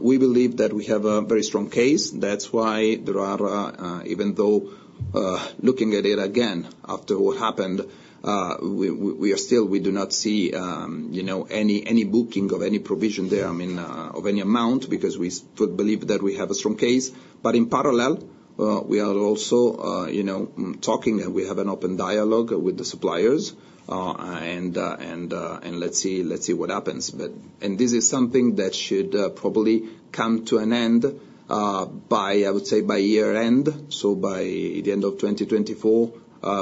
we believe that we have a very strong case. That's why there are even though looking at it again after what happened, we are still we do not see any booking of any provision there, I mean, of any amount because we believe that we have a strong case. But in parallel, we are also talking, and we have an open dialogue with the suppliers, and let's see what happens. And this is something that should probably come to an end, I would say, by year-end, so by the end of 2024,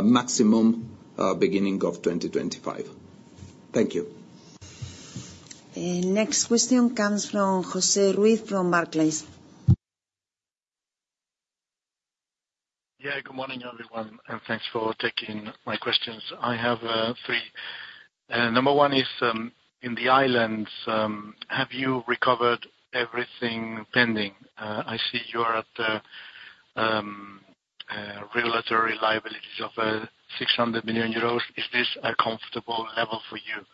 maximum beginning of 2025. Thank you. Next question comes from José Ruiz from Barclays. Yeah. Good morning, everyone, and thanks for taking my questions. I have three. Number one is, in the islands, have you recovered everything pending? I see you are at the regulatory liabilities of 600 million euros. Is this a comfortable level for you?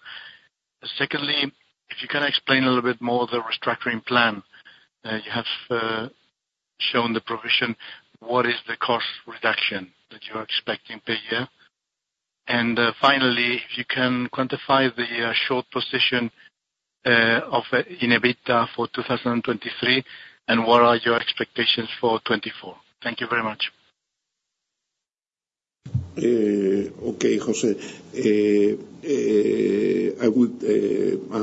Secondly, if you can explain a little bit more the restructuring plan. You have shown the provision. What is the cost reduction that you are expecting per year? And finally, if you can quantify the short position in EBITDA for 2023, and what are your expectations for 2024? Thank you very much. Okay, José. I would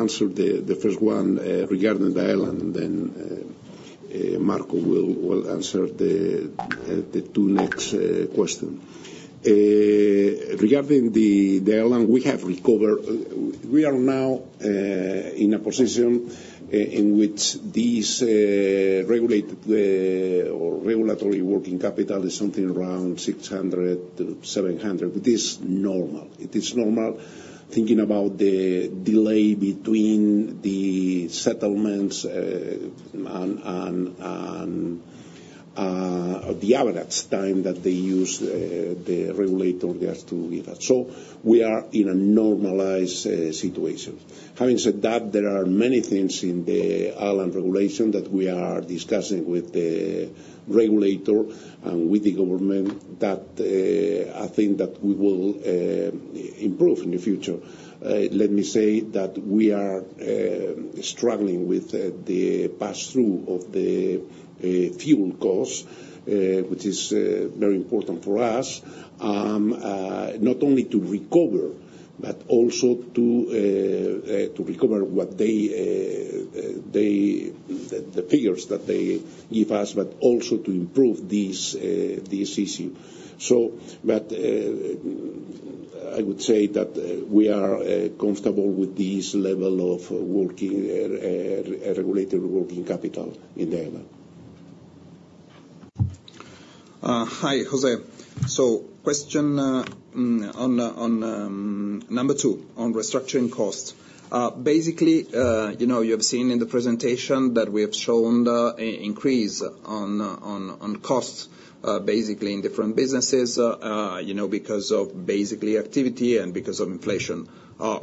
answer the first one regarding the island, and then Marco will answer the two next questions. Regarding the island, we have recovered; we are now in a position in which this regulated or regulatory working capital is something around 600-700. It is normal. It is normal thinking about the delay between the settlements and the average time that they use the regulator just to give us. So we are in a normalized situation. Having said that, there are many things in the island regulation that we are discussing with the regulator and with the government that I think that we will improve in the future. Let me say that we are struggling with the pass-through of the fuel cost, which is very important for us, not only to recover but also to recover what they the figures that they give us but also to improve this issue. But I would say that we are comfortable with this level of regulated working capital in the island. Hi, José. So question number two on restructuring costs. Basically, you have seen in the presentation that we have shown an increase on costs, basically, in different businesses because of, basically, activity and because of inflation.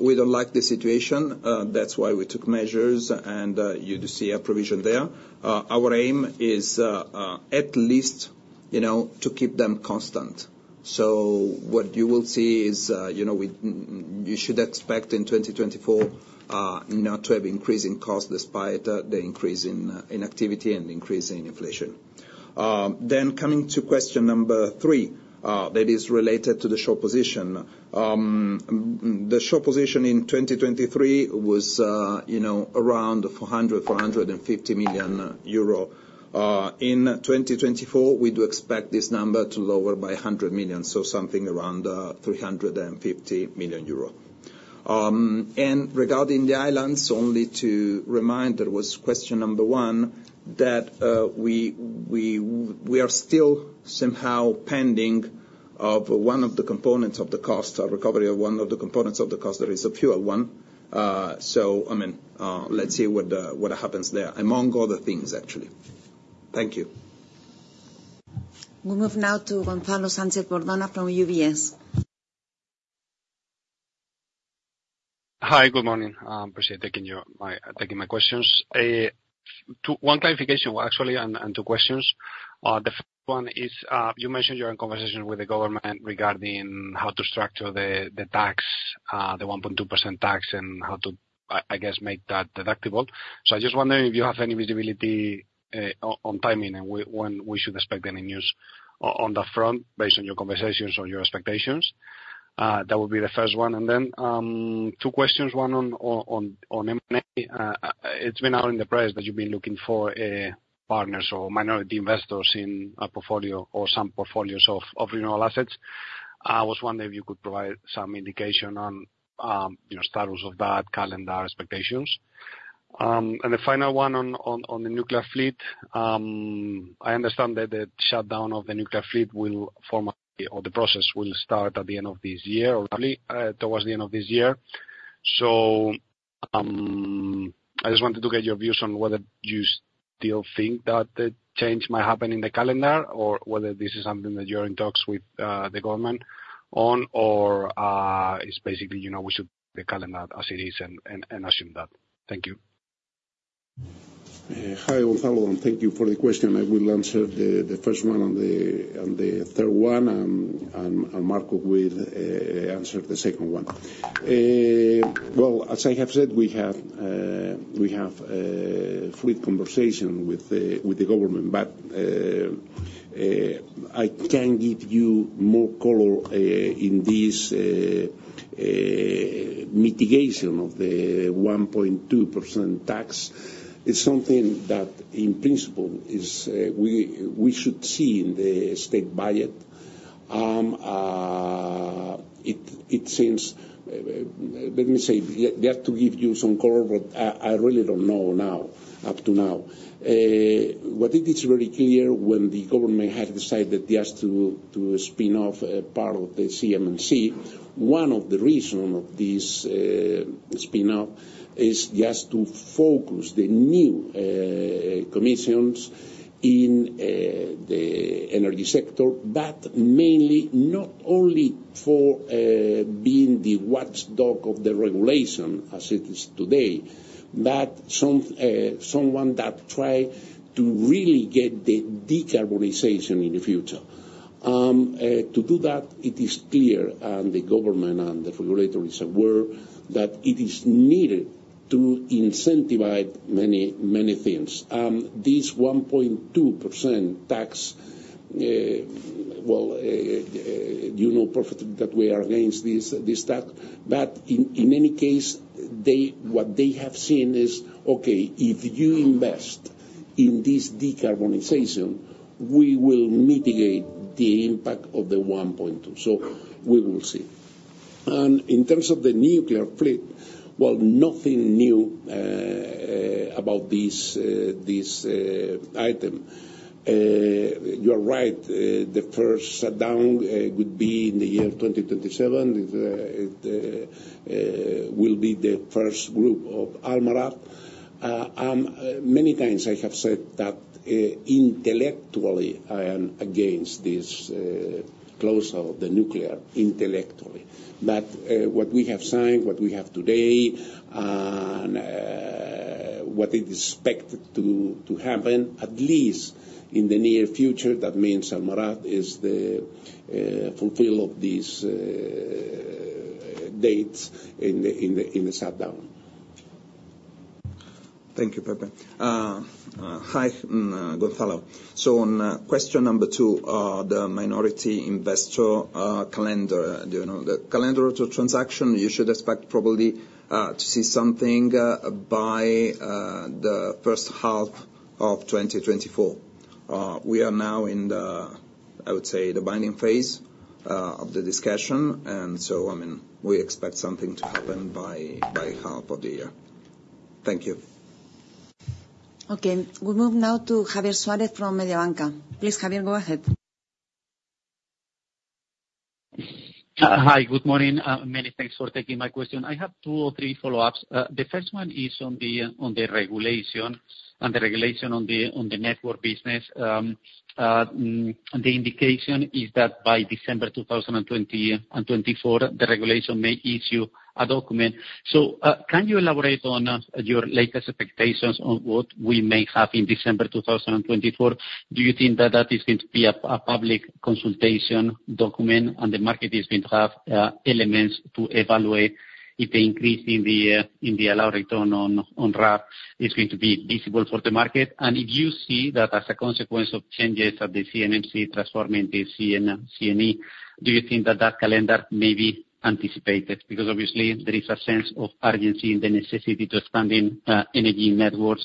We don't like this situation. That's why we took measures, and you do see a provision there. Our aim is at least to keep them constant. So what you will see is you should expect in 2024 not to have increasing costs despite the increase in activity and increase in inflation. Then coming to question number three, that is related to the short position. The short position in 2023 was around 400-450 million euro. In 2024, we do expect this number to lower by 100 million, so something around 350 million euro. And regarding the islands, only to remind, there was question number 1 that we are still somehow pending of one of the components of the cost, recovery of one of the components of the cost. There is a fuel one. So, I mean, let's see what happens there, among other things, actually. Thank you. We move now to Gonzalo Sánchez-Bordona from UBS. Hi. Good morning. Appreciate taking my questions. One clarification, actually, and two questions. The first one is, you mentioned you're in conversations with the government regarding how to structure the tax, the 1.2% tax, and how to, I guess, make that deductible. So I just wonder if you have any visibility on timing and when we should expect any news on that front based on your conversations or your expectations. That would be the first one. And then two questions. One on M&A. It's been out in the press that you've been looking for partners or minority investors in a portfolio or some portfolios of renewable assets. I was wondering if you could provide some indication on status of that, calendar, expectations. And the final one on the nuclear fleet. I understand that the shutdown of the nuclear fleet will formally or the process will start at the end of this year or probably towards the end of this year. So I just wanted to get your views on whether you still think that the change might happen in the calendar or whether this is something that you're in talks with the government on or it's basically we should keep the calendar as it is and assume that. Thank you. Hi, Gonzalo. Thank you for the question. I will answer the first one and the third one, and Marco will answer the second one. Well, as I have said, we have a frank conversation with the government, but I can't give you more color on this mitigation of the 1.2% tax. It's something that, in principle, we should see in the state budget. It seems, let me say, they have to give you some color, but I really don't know now, up to now. What is very clear is when the government had decided just to spin off part of the CNMC, one of the reasons of this spin-off is just to focus the new commissions in the energy sector, but mainly not only for being the watchdog of the regulation as it is today, but someone that try to really get the decarbonization in the future. To do that, it is clear, and the government and the regulator is aware, that it is needed to incentivize many, many things. This 1.2% tax, well, you know perfectly that we are against this tax, but in any case, what they have seen is, "Okay. If you invest in this decarbonization, we will mitigate the impact of the 1.2." So we will see. In terms of the nuclear fleet, well, nothing new about this item. You are right. The first shutdown would be in the year 2027. It will be the first group of Almaraz. Many times, I have said that intellectually, I am against this closure of the nuclear, intellectually. But what we have signed, what we have today, and what it is expected to happen, at least in the near future, that means Almaraz is the fulfillment of these dates in the shutdown. Thank you, Peter. Hi, Gonzalo. So on question number two, the minority investor calendar, the calendar of the transaction, you should expect probably to see something by the first half of 2024. We are now in, I would say, the binding phase of the discussion, and so, I mean, we expect something to happen by half of the year. Thank you. Okay. We move now to Javier Suárez from Mediobanca. Please, Javier, go ahead. Hi. Good morning. Many thanks for taking my question. I have two or three follow-ups. The first one is on the regulation and the regulation on the network business. The indication is that by December 2024, the regulation may issue a document. So can you elaborate on your latest expectations on what we may have in December 2024? Do you think that that is going to be a public consultation document, and the market is going to have elements to evaluate if the increase in the allowed return on RAB is going to be visible for the market? And if you see that as a consequence of changes at the CNMC transforming the CNE, do you think that that calendar may be anticipated? Because, obviously, there is a sense of urgency in the necessity to expand energy networks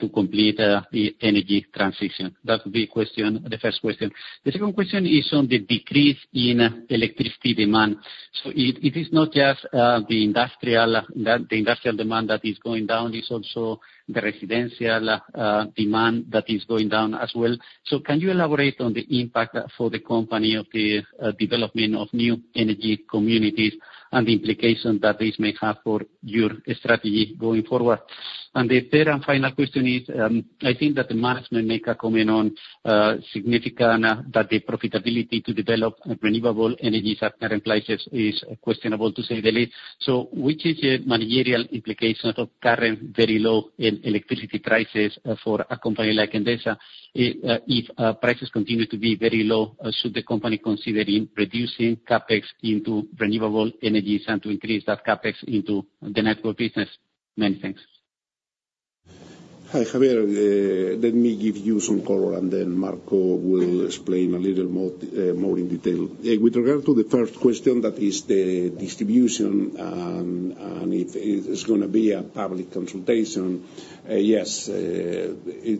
to complete the energy transition. That would be the first question. The second question is on the decrease in electricity demand. So it is not just the industrial demand that is going down. It's also the residential demand that is going down as well. So can you elaborate on the impact for the company of the development of new energy communities and the implication that this may have for your strategy going forward? And the third and final question is, I think that the management make a comment on significant that the profitability to develop renewable energies at current prices is questionable, to say the least. So which is your managerial implications of current very low electricity prices for a company like Endesa? If prices continue to be very low, should the company consider reducing CapEx into renewable energies and to increase that CapEx into the network business? Many thanks. Hi, Javier. Let me give you some color, and then Marco will explain a little more in detail. With regard to the first question, that is the distribution and if it's going to be a public consultation, yes, we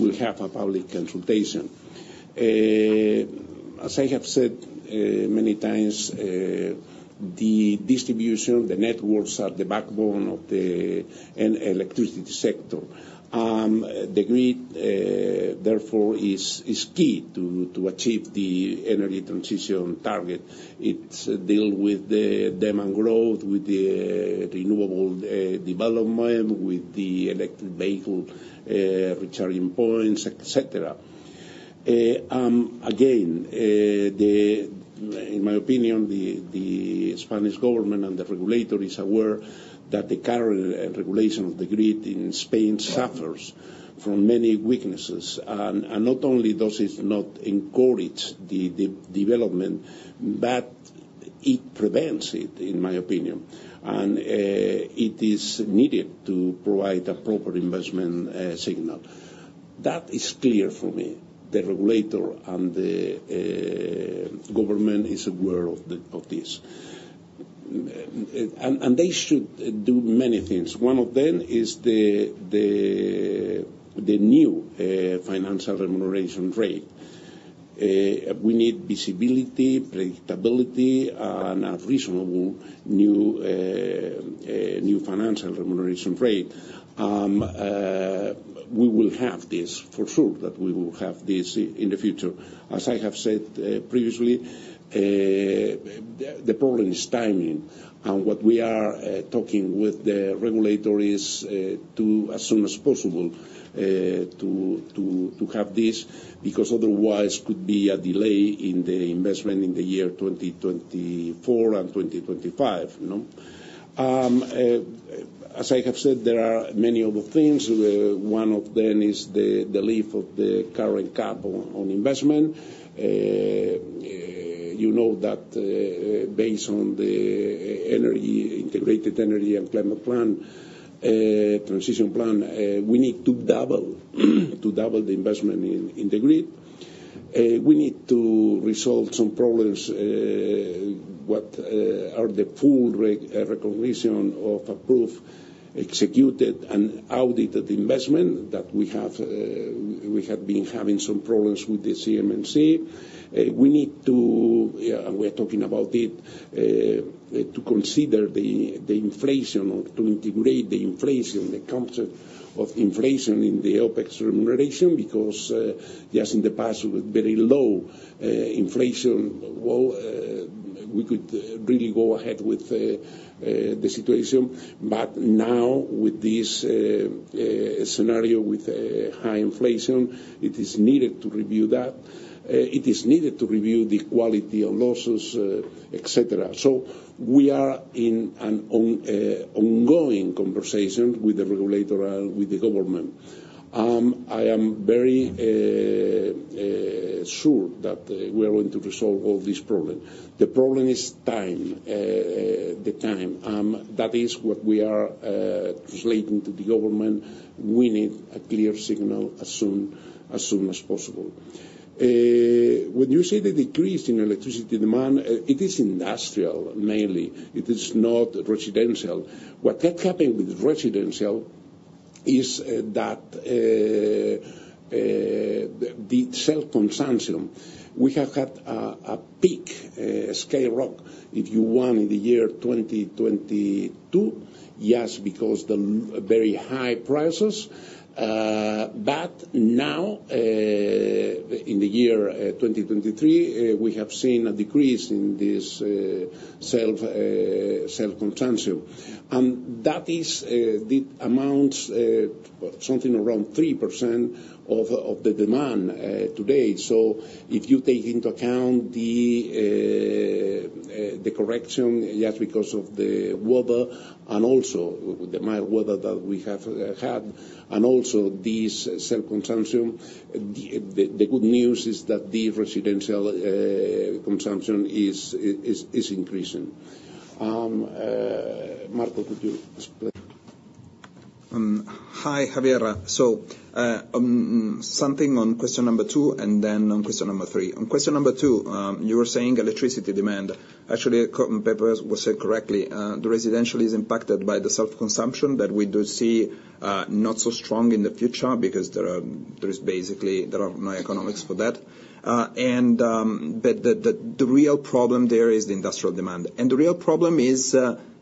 will have a public consultation. As I have said many times, the distribution, the networks are the backbone of the electricity sector. The grid, therefore, is key to achieve the energy transition target. It deals with the demand growth, with the renewable development, with the electric vehicle recharging points, etc. Again, in my opinion, the Spanish government and the regulator is aware that the current regulation of the grid in Spain suffers from many weaknesses. And not only does it not encourage the development, but it prevents it, in my opinion. And it is needed to provide a proper investment signal. That is clear for me. The regulator and the government is aware of this. And they should do many things. One of them is the new financial remuneration rate. We need visibility, predictability, and a reasonable new financial remuneration rate. We will have this, for sure, that we will have this in the future. As I have said previously, the problem is timing. And what we are talking with the regulator is to as soon as possible to have this because otherwise, it could be a delay in the investment in the year 2024 and 2025. As I have said, there are many other things. One of them is the lift of the current cap on investment. You know that based on the integrated energy and climate transition plan, we need to double the investment in the grid. We need to resolve some problems. What are the full recognition of approved, executed, and audited investment that we have been having some problems with the CNMC? We need to and we are talking about it, to consider the inflation or to integrate the concept of inflation in the OpEx remuneration because just in the past, with very low inflation, well, we could really go ahead with the situation. But now, with this scenario with high inflation, it is needed to review that. It is needed to review the quality of losses, etc. So we are in an ongoing conversation with the regulator and with the government. I am very sure that we are going to resolve all this problem. The problem is time, the time. That is what we are translating to the government. We need a clear signal as soon as possible. When you say the decrease in electricity demand, it is industrial, mainly. It is not residential. What had happened with residential is that the self-consumption, we have had a peak, a scale-up, if you want, in the year 2022, yes, because of the very high prices. But now, in the year 2023, we have seen a decrease in this self-consumption. That amounts to something around 3% of the demand today. So if you take into account the correction, yes, because of the weather and also the mild weather that we have had and also this self-consumption, the good news is that the residential consumption is increasing. Marco, could you explain? Hi, Javier. So something on question number two and then on question number three. On question number two, you were saying electricity demand. Actually, As Pepe has said was said correctly. The residential is impacted by the self-consumption that we do see not so strong in the future because there is basically there are no economics for that. But the real problem there is the industrial demand. And the real problem is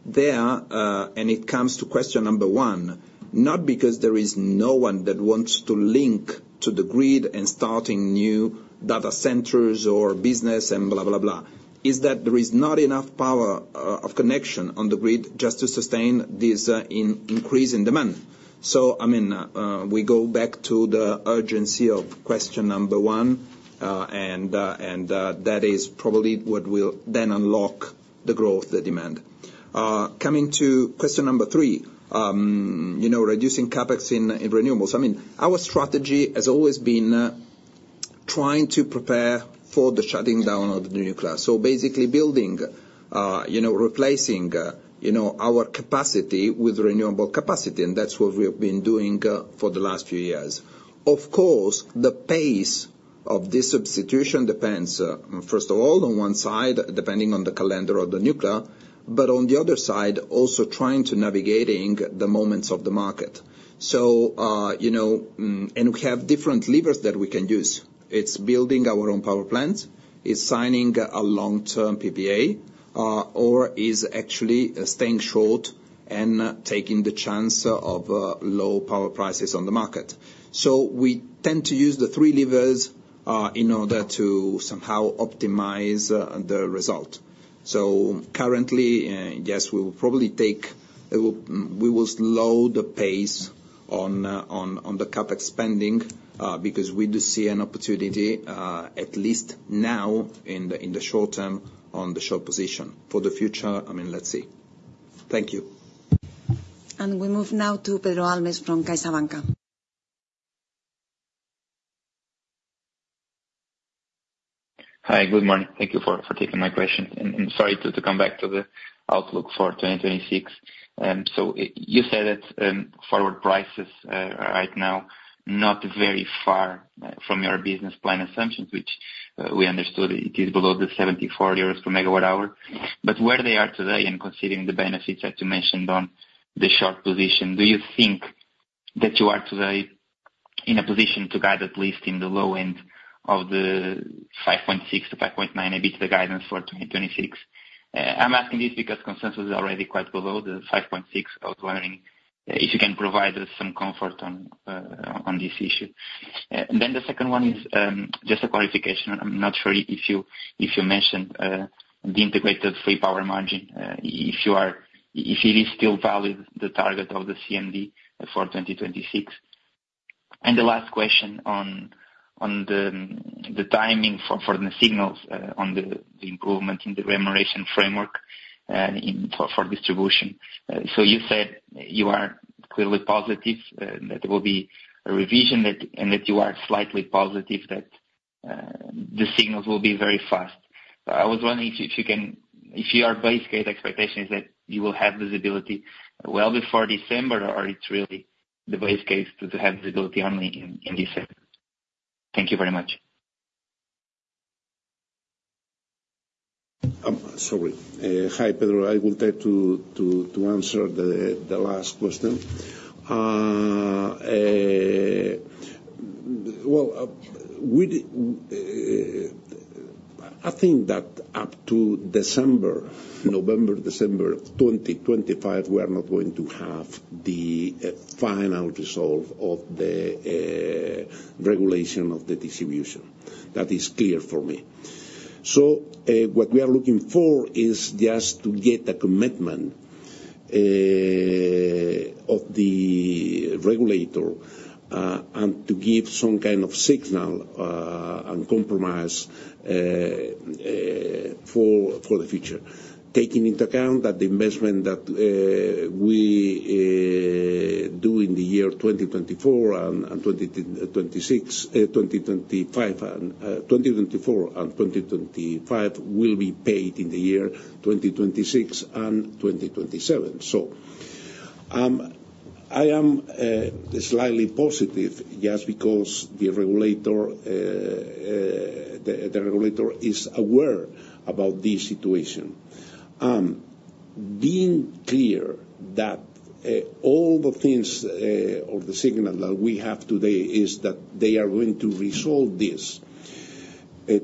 there, and it comes to question number one, not because there is no one that wants to link to the grid and starting new data centers or business and blah, blah, blah, is that there is not enough power of connection on the grid just to sustain this increase in demand. So, I mean, we go back to the urgency of question number one, and that is probably what will then unlock the growth, the demand. Coming to question number three, reducing CapEx in renewables, I mean, our strategy has always been trying to prepare for the shutting down of the nuclear. So basically, building, replacing our capacity with renewable capacity, and that's what we have been doing for the last few years. Of course, the pace of this substitution depends, first of all, on one side, depending on the calendar of the nuclear, but on the other side, also trying to navigate the moments of the market. And we have different levers that we can use. It's building our own power plants, it's signing a long-term PPA, or it's actually staying short and taking the chance of low power prices on the market. So we tend to use the three levers in order to somehow optimize the result. So currently, yes, we will probably we will slow the pace on the CapEx spending because we do see an opportunity, at least now in the short term, on the short position. For the future, I mean, let's see. Thank you. We move now to Pedro Alves from CaixaBank. Hi. Good morning. Thank you for taking my question. Sorry to come back to the outlook for 2026. So you said that forward prices are right now not very far from your business plan assumptions, which we understood it is below the 74 euros/MWh. But where they are today and considering the benefits that you mentioned on the short position, do you think that you are today in a position to guide, at least in the low end of the 5.6-5.9, a bit of the guidance for 2026? I'm asking this because consensus is already quite below the 5.6. I was wondering if you can provide us some comfort on this issue. Then the second one is just a clarification. I'm not sure if you mentioned the integrated free power margin, if it is still valid, the target of the CMD for 2026. And the last question on the timing for the signals on the improvement in the remuneration framework for distribution. So you said you are clearly positive that there will be a revision and that you are slightly positive that the signals will be very fast. I was wondering if you can if your base case expectation is that you will have visibility well before December, or it's really the base case to have visibility only in December? Thank you very much. Sorry. Hi, Pedro. I will try to answer the last question. Well, I think that up to November, December 2025, we are not going to have the final result of the regulation of the distribution. That is clear for me. So what we are looking for is just to get a commitment of the regulator and to give some kind of signal and compromise for the future, taking into account that the investment that we do in the year 2024 and 2026, 2024 and 2025 will be paid in the year 2026 and 2027. So I am slightly positive just because the regulator is aware about this situation. Being clear that all the things or the signal that we have today is that they are going to resolve this,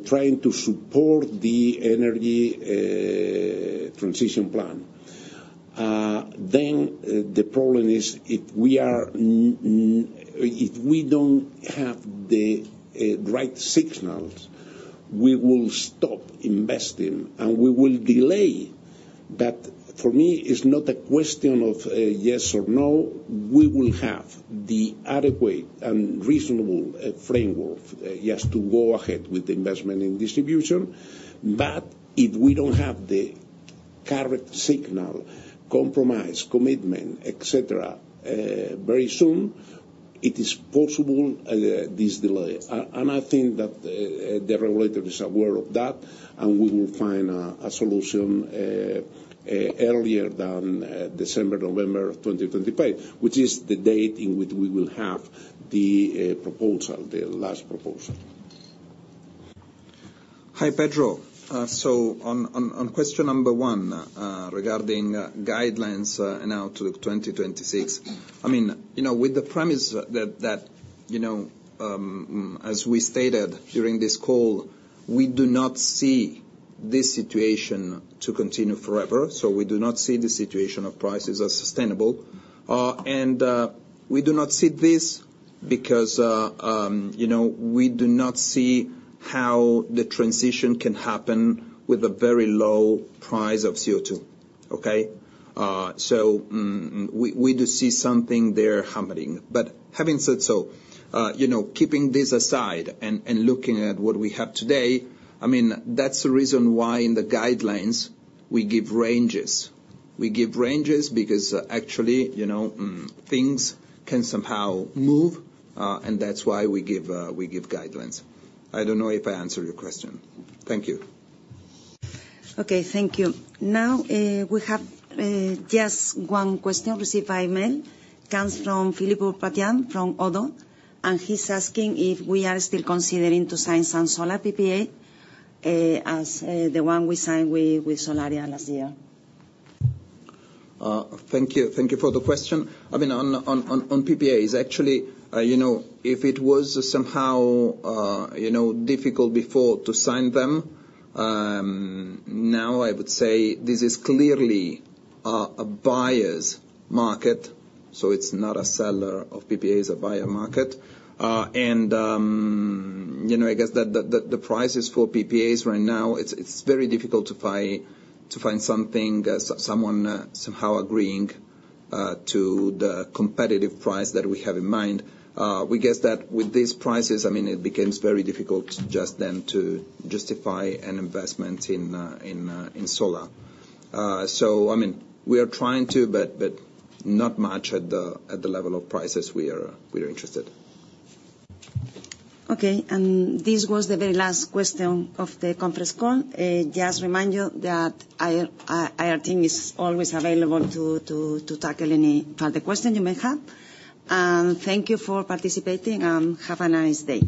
trying to support the energy transition plan, then the problem is if we don't have the right signals, we will stop investing, and we will delay. But for me, it's not a question of yes or no. We will have the adequate and reasonable framework, yes, to go ahead with the investment in distribution. But if we don't have the correct signal, compromise, commitment, etc., very soon, it is possible this delay. And I think that the regulator is aware of that, and we will find a solution earlier than December, November 2025, which is the date in which we will have the proposal, the last proposal. Hi, Pedro. So on question number one regarding guidelines and outlook 2026, I mean, with the premise that, as we stated during this call, we do not see this situation to continue forever. So we do not see the situation of prices as sustainable. And we do not see this because we do not see how the transition can happen with a very low price of CO2, okay? So we do see something there happening. But having said so, keeping this aside and looking at what we have today, I mean, that's the reason why in the guidelines, we give ranges. We give ranges because actually, things can somehow move, and that's why we give guidelines. I don't know if I answered your question. Thank you. Okay. Thank you. Now, we have just one question received by email comes from Philippe Ourpatian from Oddo, and he's asking if we are still considering to sign some solar PPA as the one we signed with Solaria last year. Thank you. Thank you for the question. I mean, on PPAs, actually, if it was somehow difficult before to sign them, now I would say this is clearly a buyer's market. So it's not a seller's market for PPAs, a buyer's market. I guess that the prices for PPAs right now, it's very difficult to find something, someone somehow agreeing to the competitive price that we have in mind. We guess that with these prices, I mean, it becomes very difficult just then to justify an investment in solar. So, I mean, we are trying to, but not much at the level of prices we are interested. Okay. And this was the very last question of the conference call. Just remind you that our team is always available to tackle any further question you may have. And thank you for participating, and have a nice day.